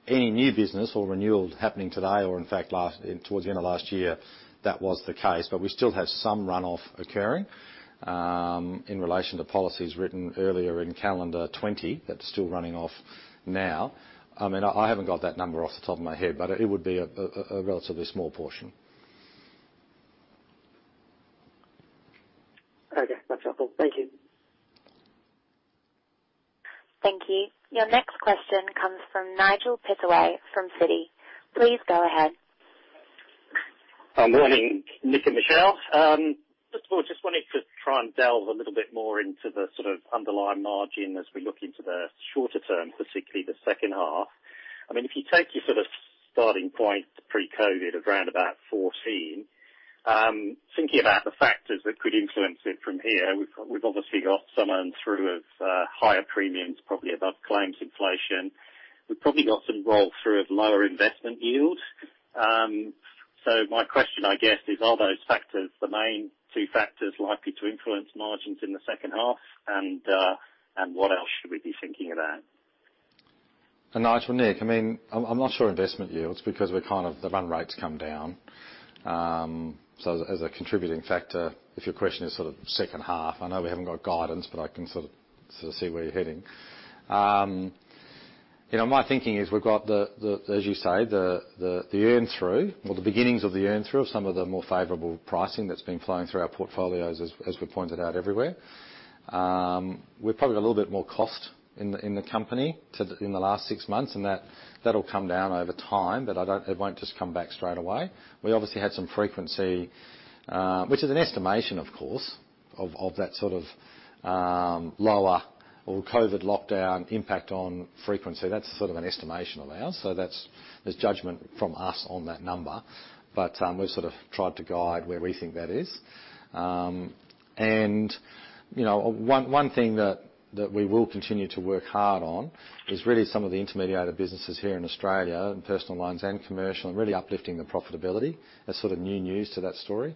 any new business or renewals happening today or in fact towards the end of last year, that was the case. We still have some runoff occurring in relation to policies written earlier in calendar 2020 that are still running off now. I haven't got that number off the top of my head, but it would be a relatively small portion. Okay. That's helpful. Thank you. Thank you. Your next question comes from Nigel Pittaway from Citi. Please go ahead. Morning, Nick and Michelle. First of all, just wanted to try and delve a little bit more into the sort of underlying margin as we look into the shorter term, particularly the second half. If you take your sort of starting point pre-COVID of round about 14%, thinking about the factors that could influence it from here, we've obviously got some earn through of higher premiums, probably above claims inflation. We've probably got some roll-through of lower investment yield. My question, I guess is, are those factors the main two factors likely to influence margins in the second half? What else should we be thinking about? Nigel, Nick, I am not sure investment yields because the run rates come down. As a contributing factor, if your question is sort of second half, I know we haven't got guidance, but I can sort of see where you're heading. My thinking is we've got the, as you say, the earn through or the beginnings of the earn through of some of the more favorable pricing that's been flowing through our portfolios as we pointed out everywhere. We've probably got a little bit more cost in the company in the last six months, and that'll come down over time, but it won't just come back straight away. We obviously had some frequency, which is an estimation, of course, of that sort of lower or COVID-19 lockdown impact on frequency. That's sort of an estimation of ours. There's judgment from us on that number. We've sort of tried to guide where we think that is. One thing that we will continue to work hard on is really some of the intermediated businesses here in Australia in personal lines and commercial, and really uplifting the profitability. That's sort of new news to that story.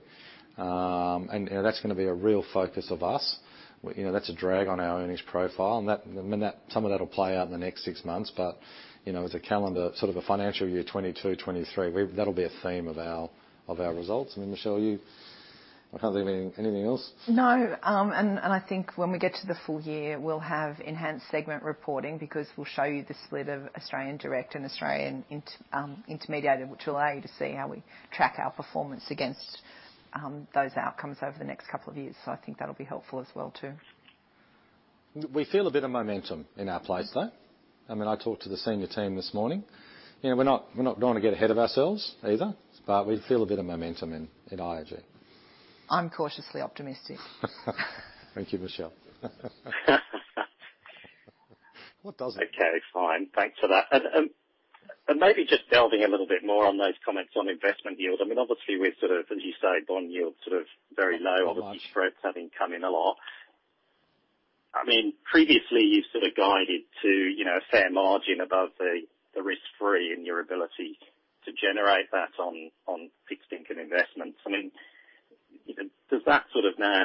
That's going to be a real focus of us. That's a drag on our earnings profile, and some of that'll play out in the next six months. As a calendar, sort of a financial year 2022, 2023, that'll be a theme of our results. I mean, Michelle, I can't think of anything else. No. I think when we get to the full year, we'll have enhanced segment reporting because we'll show you the split of Australian direct and Australian intermediated, which will allow you to see how we track our performance against those outcomes over the next couple of years. I think that'll be helpful as well too. We feel a bit of momentum in our place, though. I mean, I talked to the senior team this morning. We're not going to get ahead of ourselves either, but we feel a bit of momentum in IAG. I'm cautiously optimistic. Thank you, Michelle. What does it? Okay, fine. Thanks for that. Maybe just delving a little bit more on those comments on investment yield. Obviously, we're sort of, as you say, bond yield sort of very low. Low. Obviously spreads having come in a lot. Previously you sort of guided to a fair margin above the risk-free in your ability to generate that on fixed income investments. Does that sort of now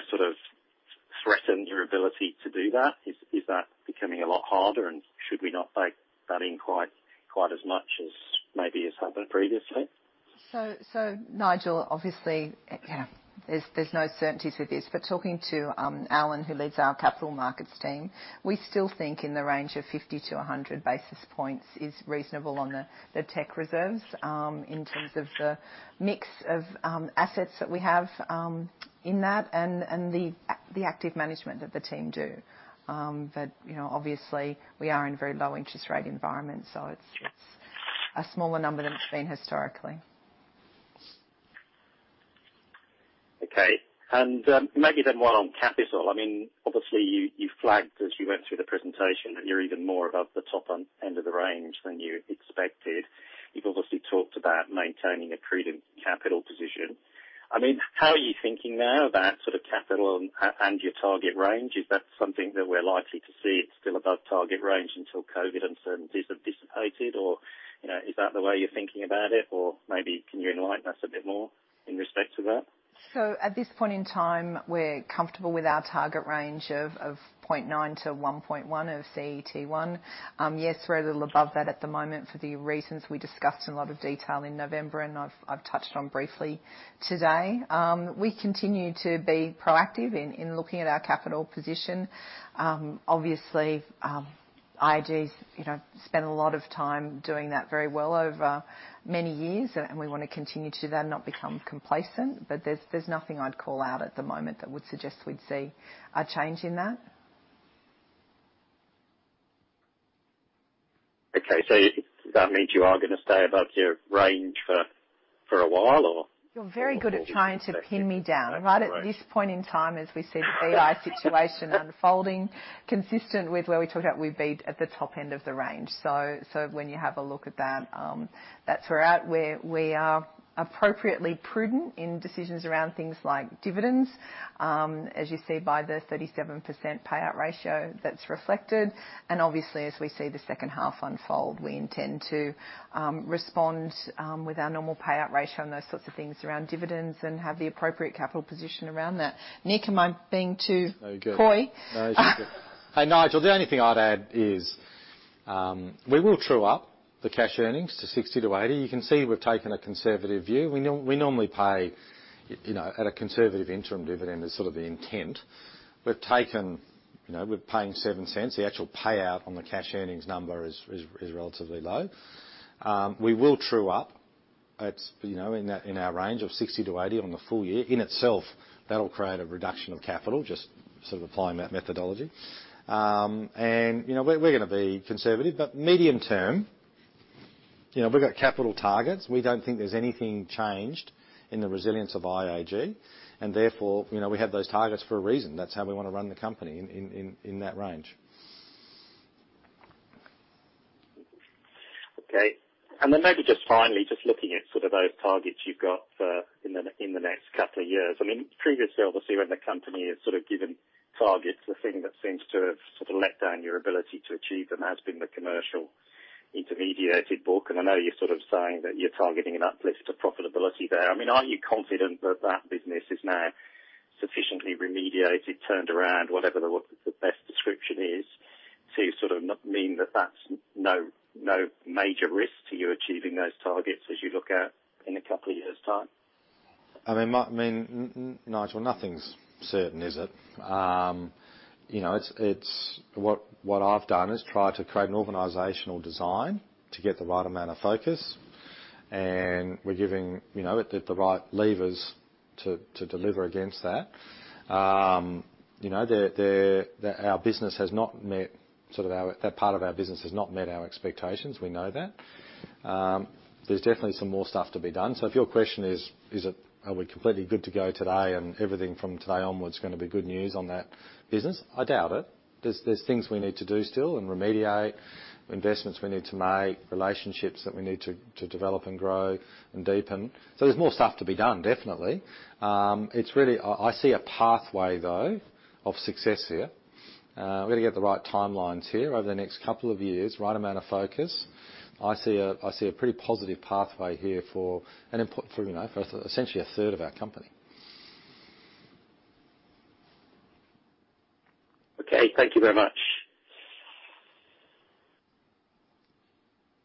threaten your ability to do that? Is that becoming a lot harder? Should we not bake that in quite as much as maybe as had been previously? Nigel, obviously, there's no certainty to this, talking to Alan, who leads our Capital Markets team, we still think in the range of 50-100 basis points is reasonable on the tech reserves, in terms of the mix of assets that we have in that and the active management that the team do. Obviously we are in very low interest rate environment, so it's a smaller number than it's been historically. Okay. Maybe then one on capital. Obviously you flagged as you went through the presentation that you're even more above the top end of the range than you expected. You've obviously talked about maintaining a prudent capital position. How are you thinking now about sort of capital and your target range? Is that something that we're likely to see it still above target range until COVID-19 uncertainties have dissipated? Is that the way you're thinking about it? Maybe can you enlighten us a bit more in respect to that? At this point in time, we're comfortable with our target range of 0.9x to 1.1x of CET1. Yes, we're a little above that at the moment for the reasons we discussed in a lot of detail in November and I've touched on briefly today. We continue to be proactive in looking at our capital position. Obviously, IAG spent a lot of time doing that very well over many years, and we want to continue to do that and not become complacent. There's nothing I'd call out at the moment that would suggest we'd see a change in that. Okay. Does that mean you are going to stay above your range for a while or? You're very good at trying to pin me down. Right at this point in time, as we see the BI situation unfolding, consistent with where we talked about, we'd be at the top end of the range. When you have a look at that's where we are appropriately prudent in decisions around things like dividends. As you see by the 37% payout ratio that's reflected, and obviously as we see the second half unfold, we intend to respond with our normal payout ratio and those sorts of things around dividends and have the appropriate capital position around that. Nick, am I being too coy? No, you're good. Hey, Nigel, the only thing I'd add is, we will true up the cash earnings to 60%-80%. You can see we've taken a conservative view. We normally pay at a conservative interim dividend as sort of the intent. We're paying 0.07. The actual payout on the cash earnings number is relatively low. We will true up. It's in our range of 60%-80% on the full year. In itself, that'll create a reduction of capital, just sort of applying that methodology. We're going to be conservative, but medium term, we've got capital targets. We don't think there's anything changed in the resilience of IAG, and therefore, we have those targets for a reason. That's how we want to run the company, in that range. Okay. Then maybe just finally, just looking at those targets you've got in the next couple of years. Previously, obviously when the company has given targets, the thing that seems to have let down your ability to achieve them has been the commercial intermediated book. I know you're saying that you're targeting an uplift of profitability there. Are you confident that that business is now sufficiently remediated, turned around, whatever the best description is, to sort of mean that that's no major risk to you achieving those targets as you look out in a couple of years' time? Nigel, nothing's certain, is it? What I've done is try to create an organizational design to get the right amount of focus. We're giving the right levers to deliver against that. That part of our business has not met our expectations. We know that. There's definitely some more stuff to be done. If your question is, are we completely good to go today and everything from today onwards is going to be good news on that business? I doubt it. There's things we need to do still and remediate, investments we need to make, relationships that we need to develop and grow and deepen. There's more stuff to be done, definitely. I see a pathway, though, of success here. We're going to get the right timelines here over the next couple of years, right amount of focus. I see a pretty positive pathway here for input for essentially a third of our company. Okay. Thank you very much.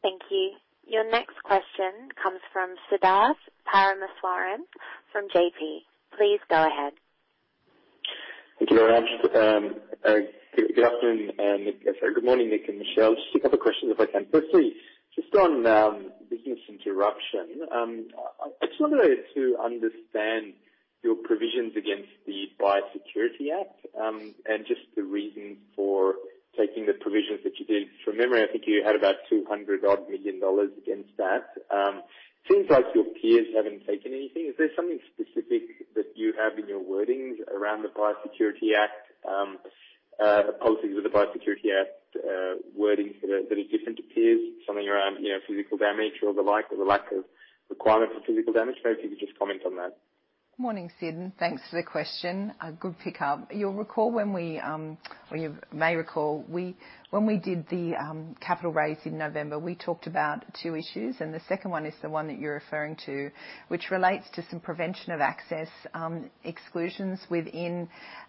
Thank you. Your next question comes from Siddharth Parameswaran from JP. Please go ahead. Thank you very much. Good afternoon. Sorry. Good morning, Nick and Michelle. Just a couple questions if I can. Firstly, just on business interruption, I just wanted to understand your provisions against the Biosecurity Act, and just the reason for taking the provisions that you did. From memory, I think you had about 200 odd million against that. Seems like your peers haven't taken anything. Is there something specific that you have in your wordings around the Biosecurity Act, policies with the Biosecurity Act wording that are different to peers? Something around physical damage or the like, or the lack of requirement for physical damage? Maybe if you could just comment on that. Morning, Sid. Thanks for the question. A good pick-up. You may recall, when we did the capital raise in November, we talked about two issues, and the second one is the one that you're referring to, which relates to some prevention of access exclusions within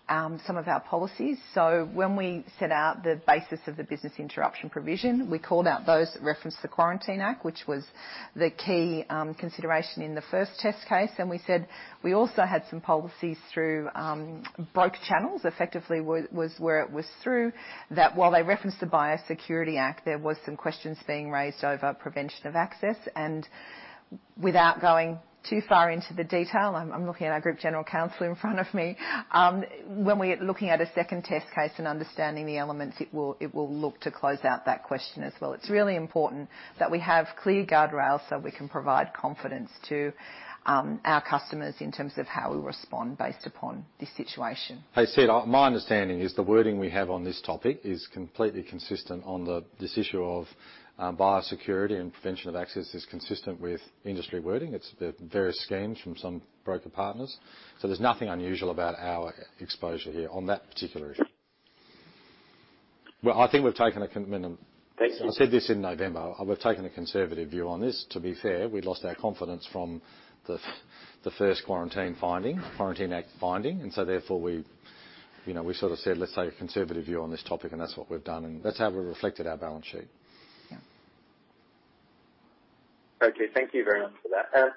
some of our policies. When we set out the basis of the business interruption provision, we called out those that referenced the Quarantine Act, which was the key consideration in the first test case. We said we also had some policies through broker channels, effectively was where it was through, that while they referenced the Biosecurity Act, there was some questions being raised over prevention of access. Without going too far into the detail, I'm looking at our Group General Counsel in front of me. When we're looking at a second test case and understanding the elements, it will look to close out that question as well. It's really important that we have clear guardrails so we can provide confidence to our customers in terms of how we respond based upon the situation. Hey, Sid. My understanding is the wording we have on this topic is completely consistent on this issue of biosecurity and prevention of access is consistent with industry wording. It's various schemes from some broker partners. So there's nothing unusual about our exposure here on that particular issue. Thanks. I said this in November. We've taken a conservative view on this. To be fair, we lost our confidence from the first Quarantine Act finding, therefore we sort of said, let's take a conservative view on this topic, and that's what we've done, and that's how we've reflected our balance sheet. Yeah. Thank you very much for that.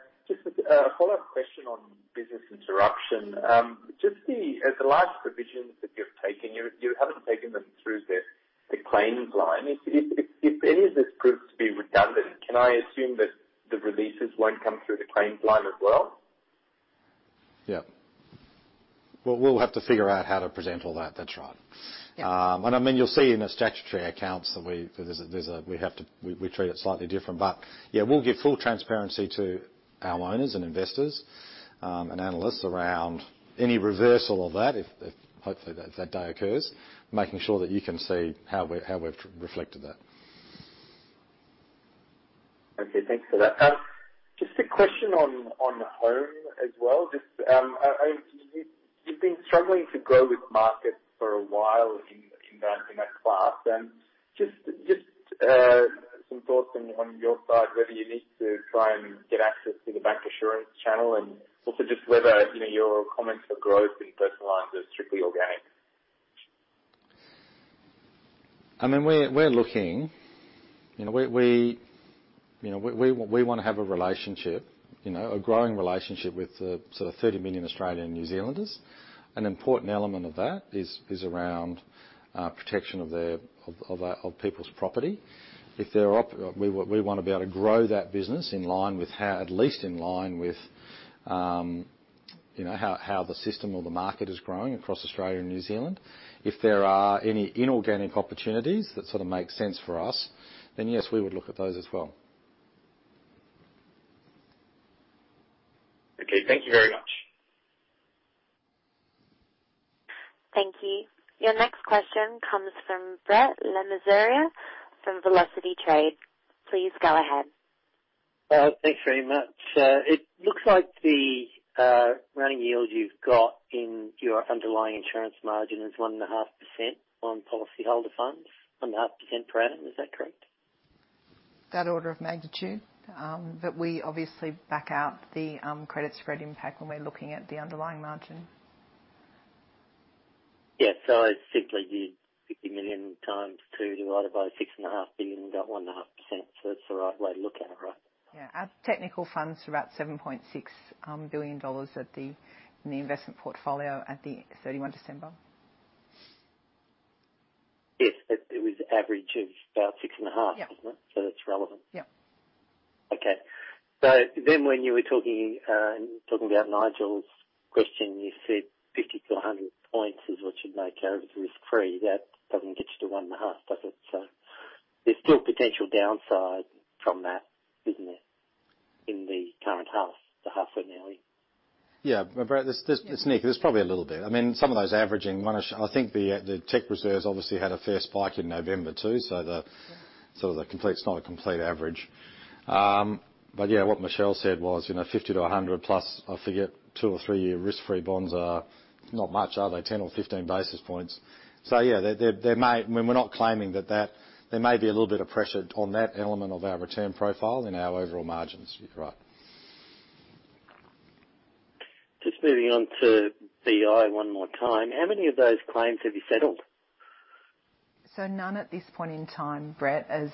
A follow-up question on business interruption. The large provisions that you've taken, you haven't taken them through the claims line. If any of this proves to be redundant, can I assume that the releases won't come through the claims line as well? Yeah. Well, we'll have to figure out how to present all that. That's right. Yeah. You'll see in the statutory accounts that we treat it slightly different. Yeah, we'll give full transparency to our owners and investors, and analysts around any reversal of that, if hopefully that day occurs, making sure that you can see how we've reflected that. Okay, thanks for that. Just a question on home as well. You've been struggling to grow with market for a while in that class, and just some thoughts on your side, whether you need to try and get access to the bancassurance channel, and also just whether your comments for growth in personal lines are strictly organic? We're looking. We want to have a growing relationship with sort of 30 million Australian and New Zealanders. An important element of that is around protection of people's property. We want to be able to grow that business at least in line with how the system or the market is growing across Australia and New Zealand. If there are any inorganic opportunities that sort of make sense for us, then yes, we would look at those as well. Okay. Thank you very much. Thank you. Your next question comes from Brett Le Mesurier from Velocity Trade. Please go ahead. Thanks very much. It looks like the running yield you've got in your underlying insurance margin is 1.5% on policyholder funds, 1.5% per annum. Is that correct? That order of magnitude, but we obviously back out the credit spread impact when we're looking at the underlying margin. Yeah. I simply did 50 million times two divided by 6.5 billion and got 1.5%. That's the right way to look at it, right? Yeah. Our technical funds are about 7.6 billion dollars in the investment portfolio at the 31 December. Yes. It was average of about 6.5 billion, wasn't it? Yeah. That's relevant. Yeah. When you were talking about Nigel's question, you said 50-100 points is what you'd make out of it risk-free. That doesn't get you to 1.5%, does it? There's still potential downside from that, isn't there, in the current half, the half we're now in? Yeah. Brett, it's Nick. There's probably a little bit. Some of those averaging, I think the reserves obviously had a fair spike in November too, so it's not a complete average. Yeah, what Michelle said was, 50-100+, I forget, two or three-year risk-free bonds are not much, are they? 10 or 15 basis points. Yeah, we're not claiming that there may be a little bit of pressure on that element of our return profile in our overall margins. You're right. Just moving on to BI one more time. How many of those claims have you settled? None at this point in time, Brett, as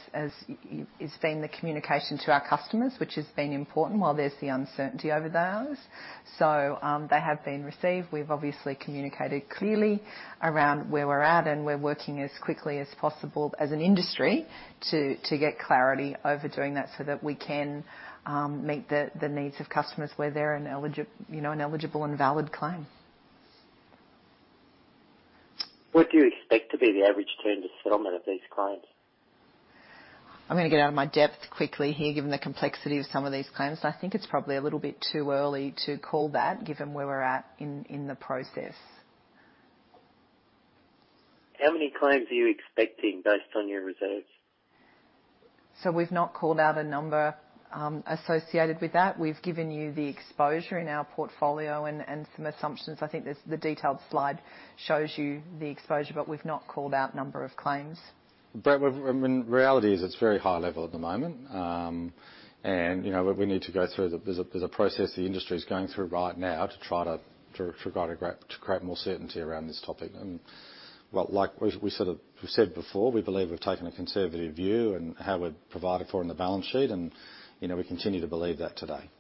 it's been the communication to our customers, which has been important while there's the uncertainty over theirs. They have been received. We've obviously communicated clearly around where we're at, and we're working as quickly as possible as an industry to get clarity over doing that so that we can meet the needs of customers where they're an eligible and valid claim. What do you expect to be the average turn to settlement of these claims? I'm going to get out of my depth quickly here, given the complexity of some of these claims. I think it's probably a little bit too early to call that, given where we're at in the process. How many claims are you expecting based on your reserves? We've not called out a number associated with that. We've given you the exposure in our portfolio and some assumptions. I think the detailed slide shows you the exposure, but we've not called out number of claims. Brett, reality is it's very high level at the moment. we need to go through, there's a process the industry is going through right now to try to create more certainty around this topic. like we said before, we believe we've taken a conservative view and how we've provided for in the balance sheet, and we continue to believe that today.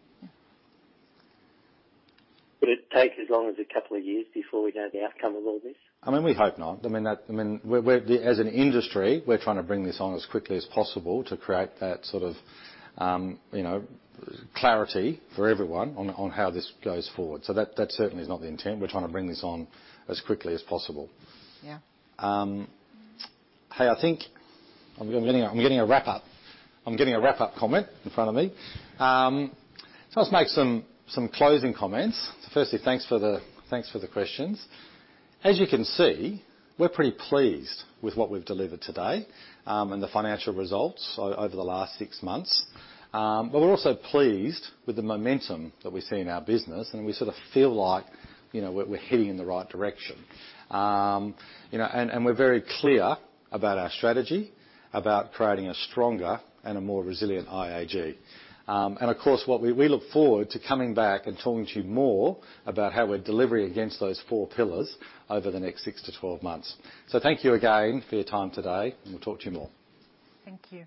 Would it take as long as a couple of years before we know the outcome of all this? We hope not. As an industry, we're trying to bring this on as quickly as possible to create that sort of clarity for everyone on how this goes forward. That certainly is not the intent. We're trying to bring this on as quickly as possible. Yeah. I think I'm getting a wrap up. I'm getting a wrap up comment in front of me. Let's make some closing comments. Firstly, thanks for the questions. As you can see, we're pretty pleased with what we've delivered today, and the financial results over the last six months. We're also pleased with the momentum that we see in our business, and we sort of feel like we're heading in the right direction. We're very clear about our strategy, about creating a stronger and a more resilient IAG. Of course, we look forward to coming back and talking to you more about how we're delivering against those four pillars over the next 6-12 months. Thank you again for your time today, and we'll talk to you more. Thank you.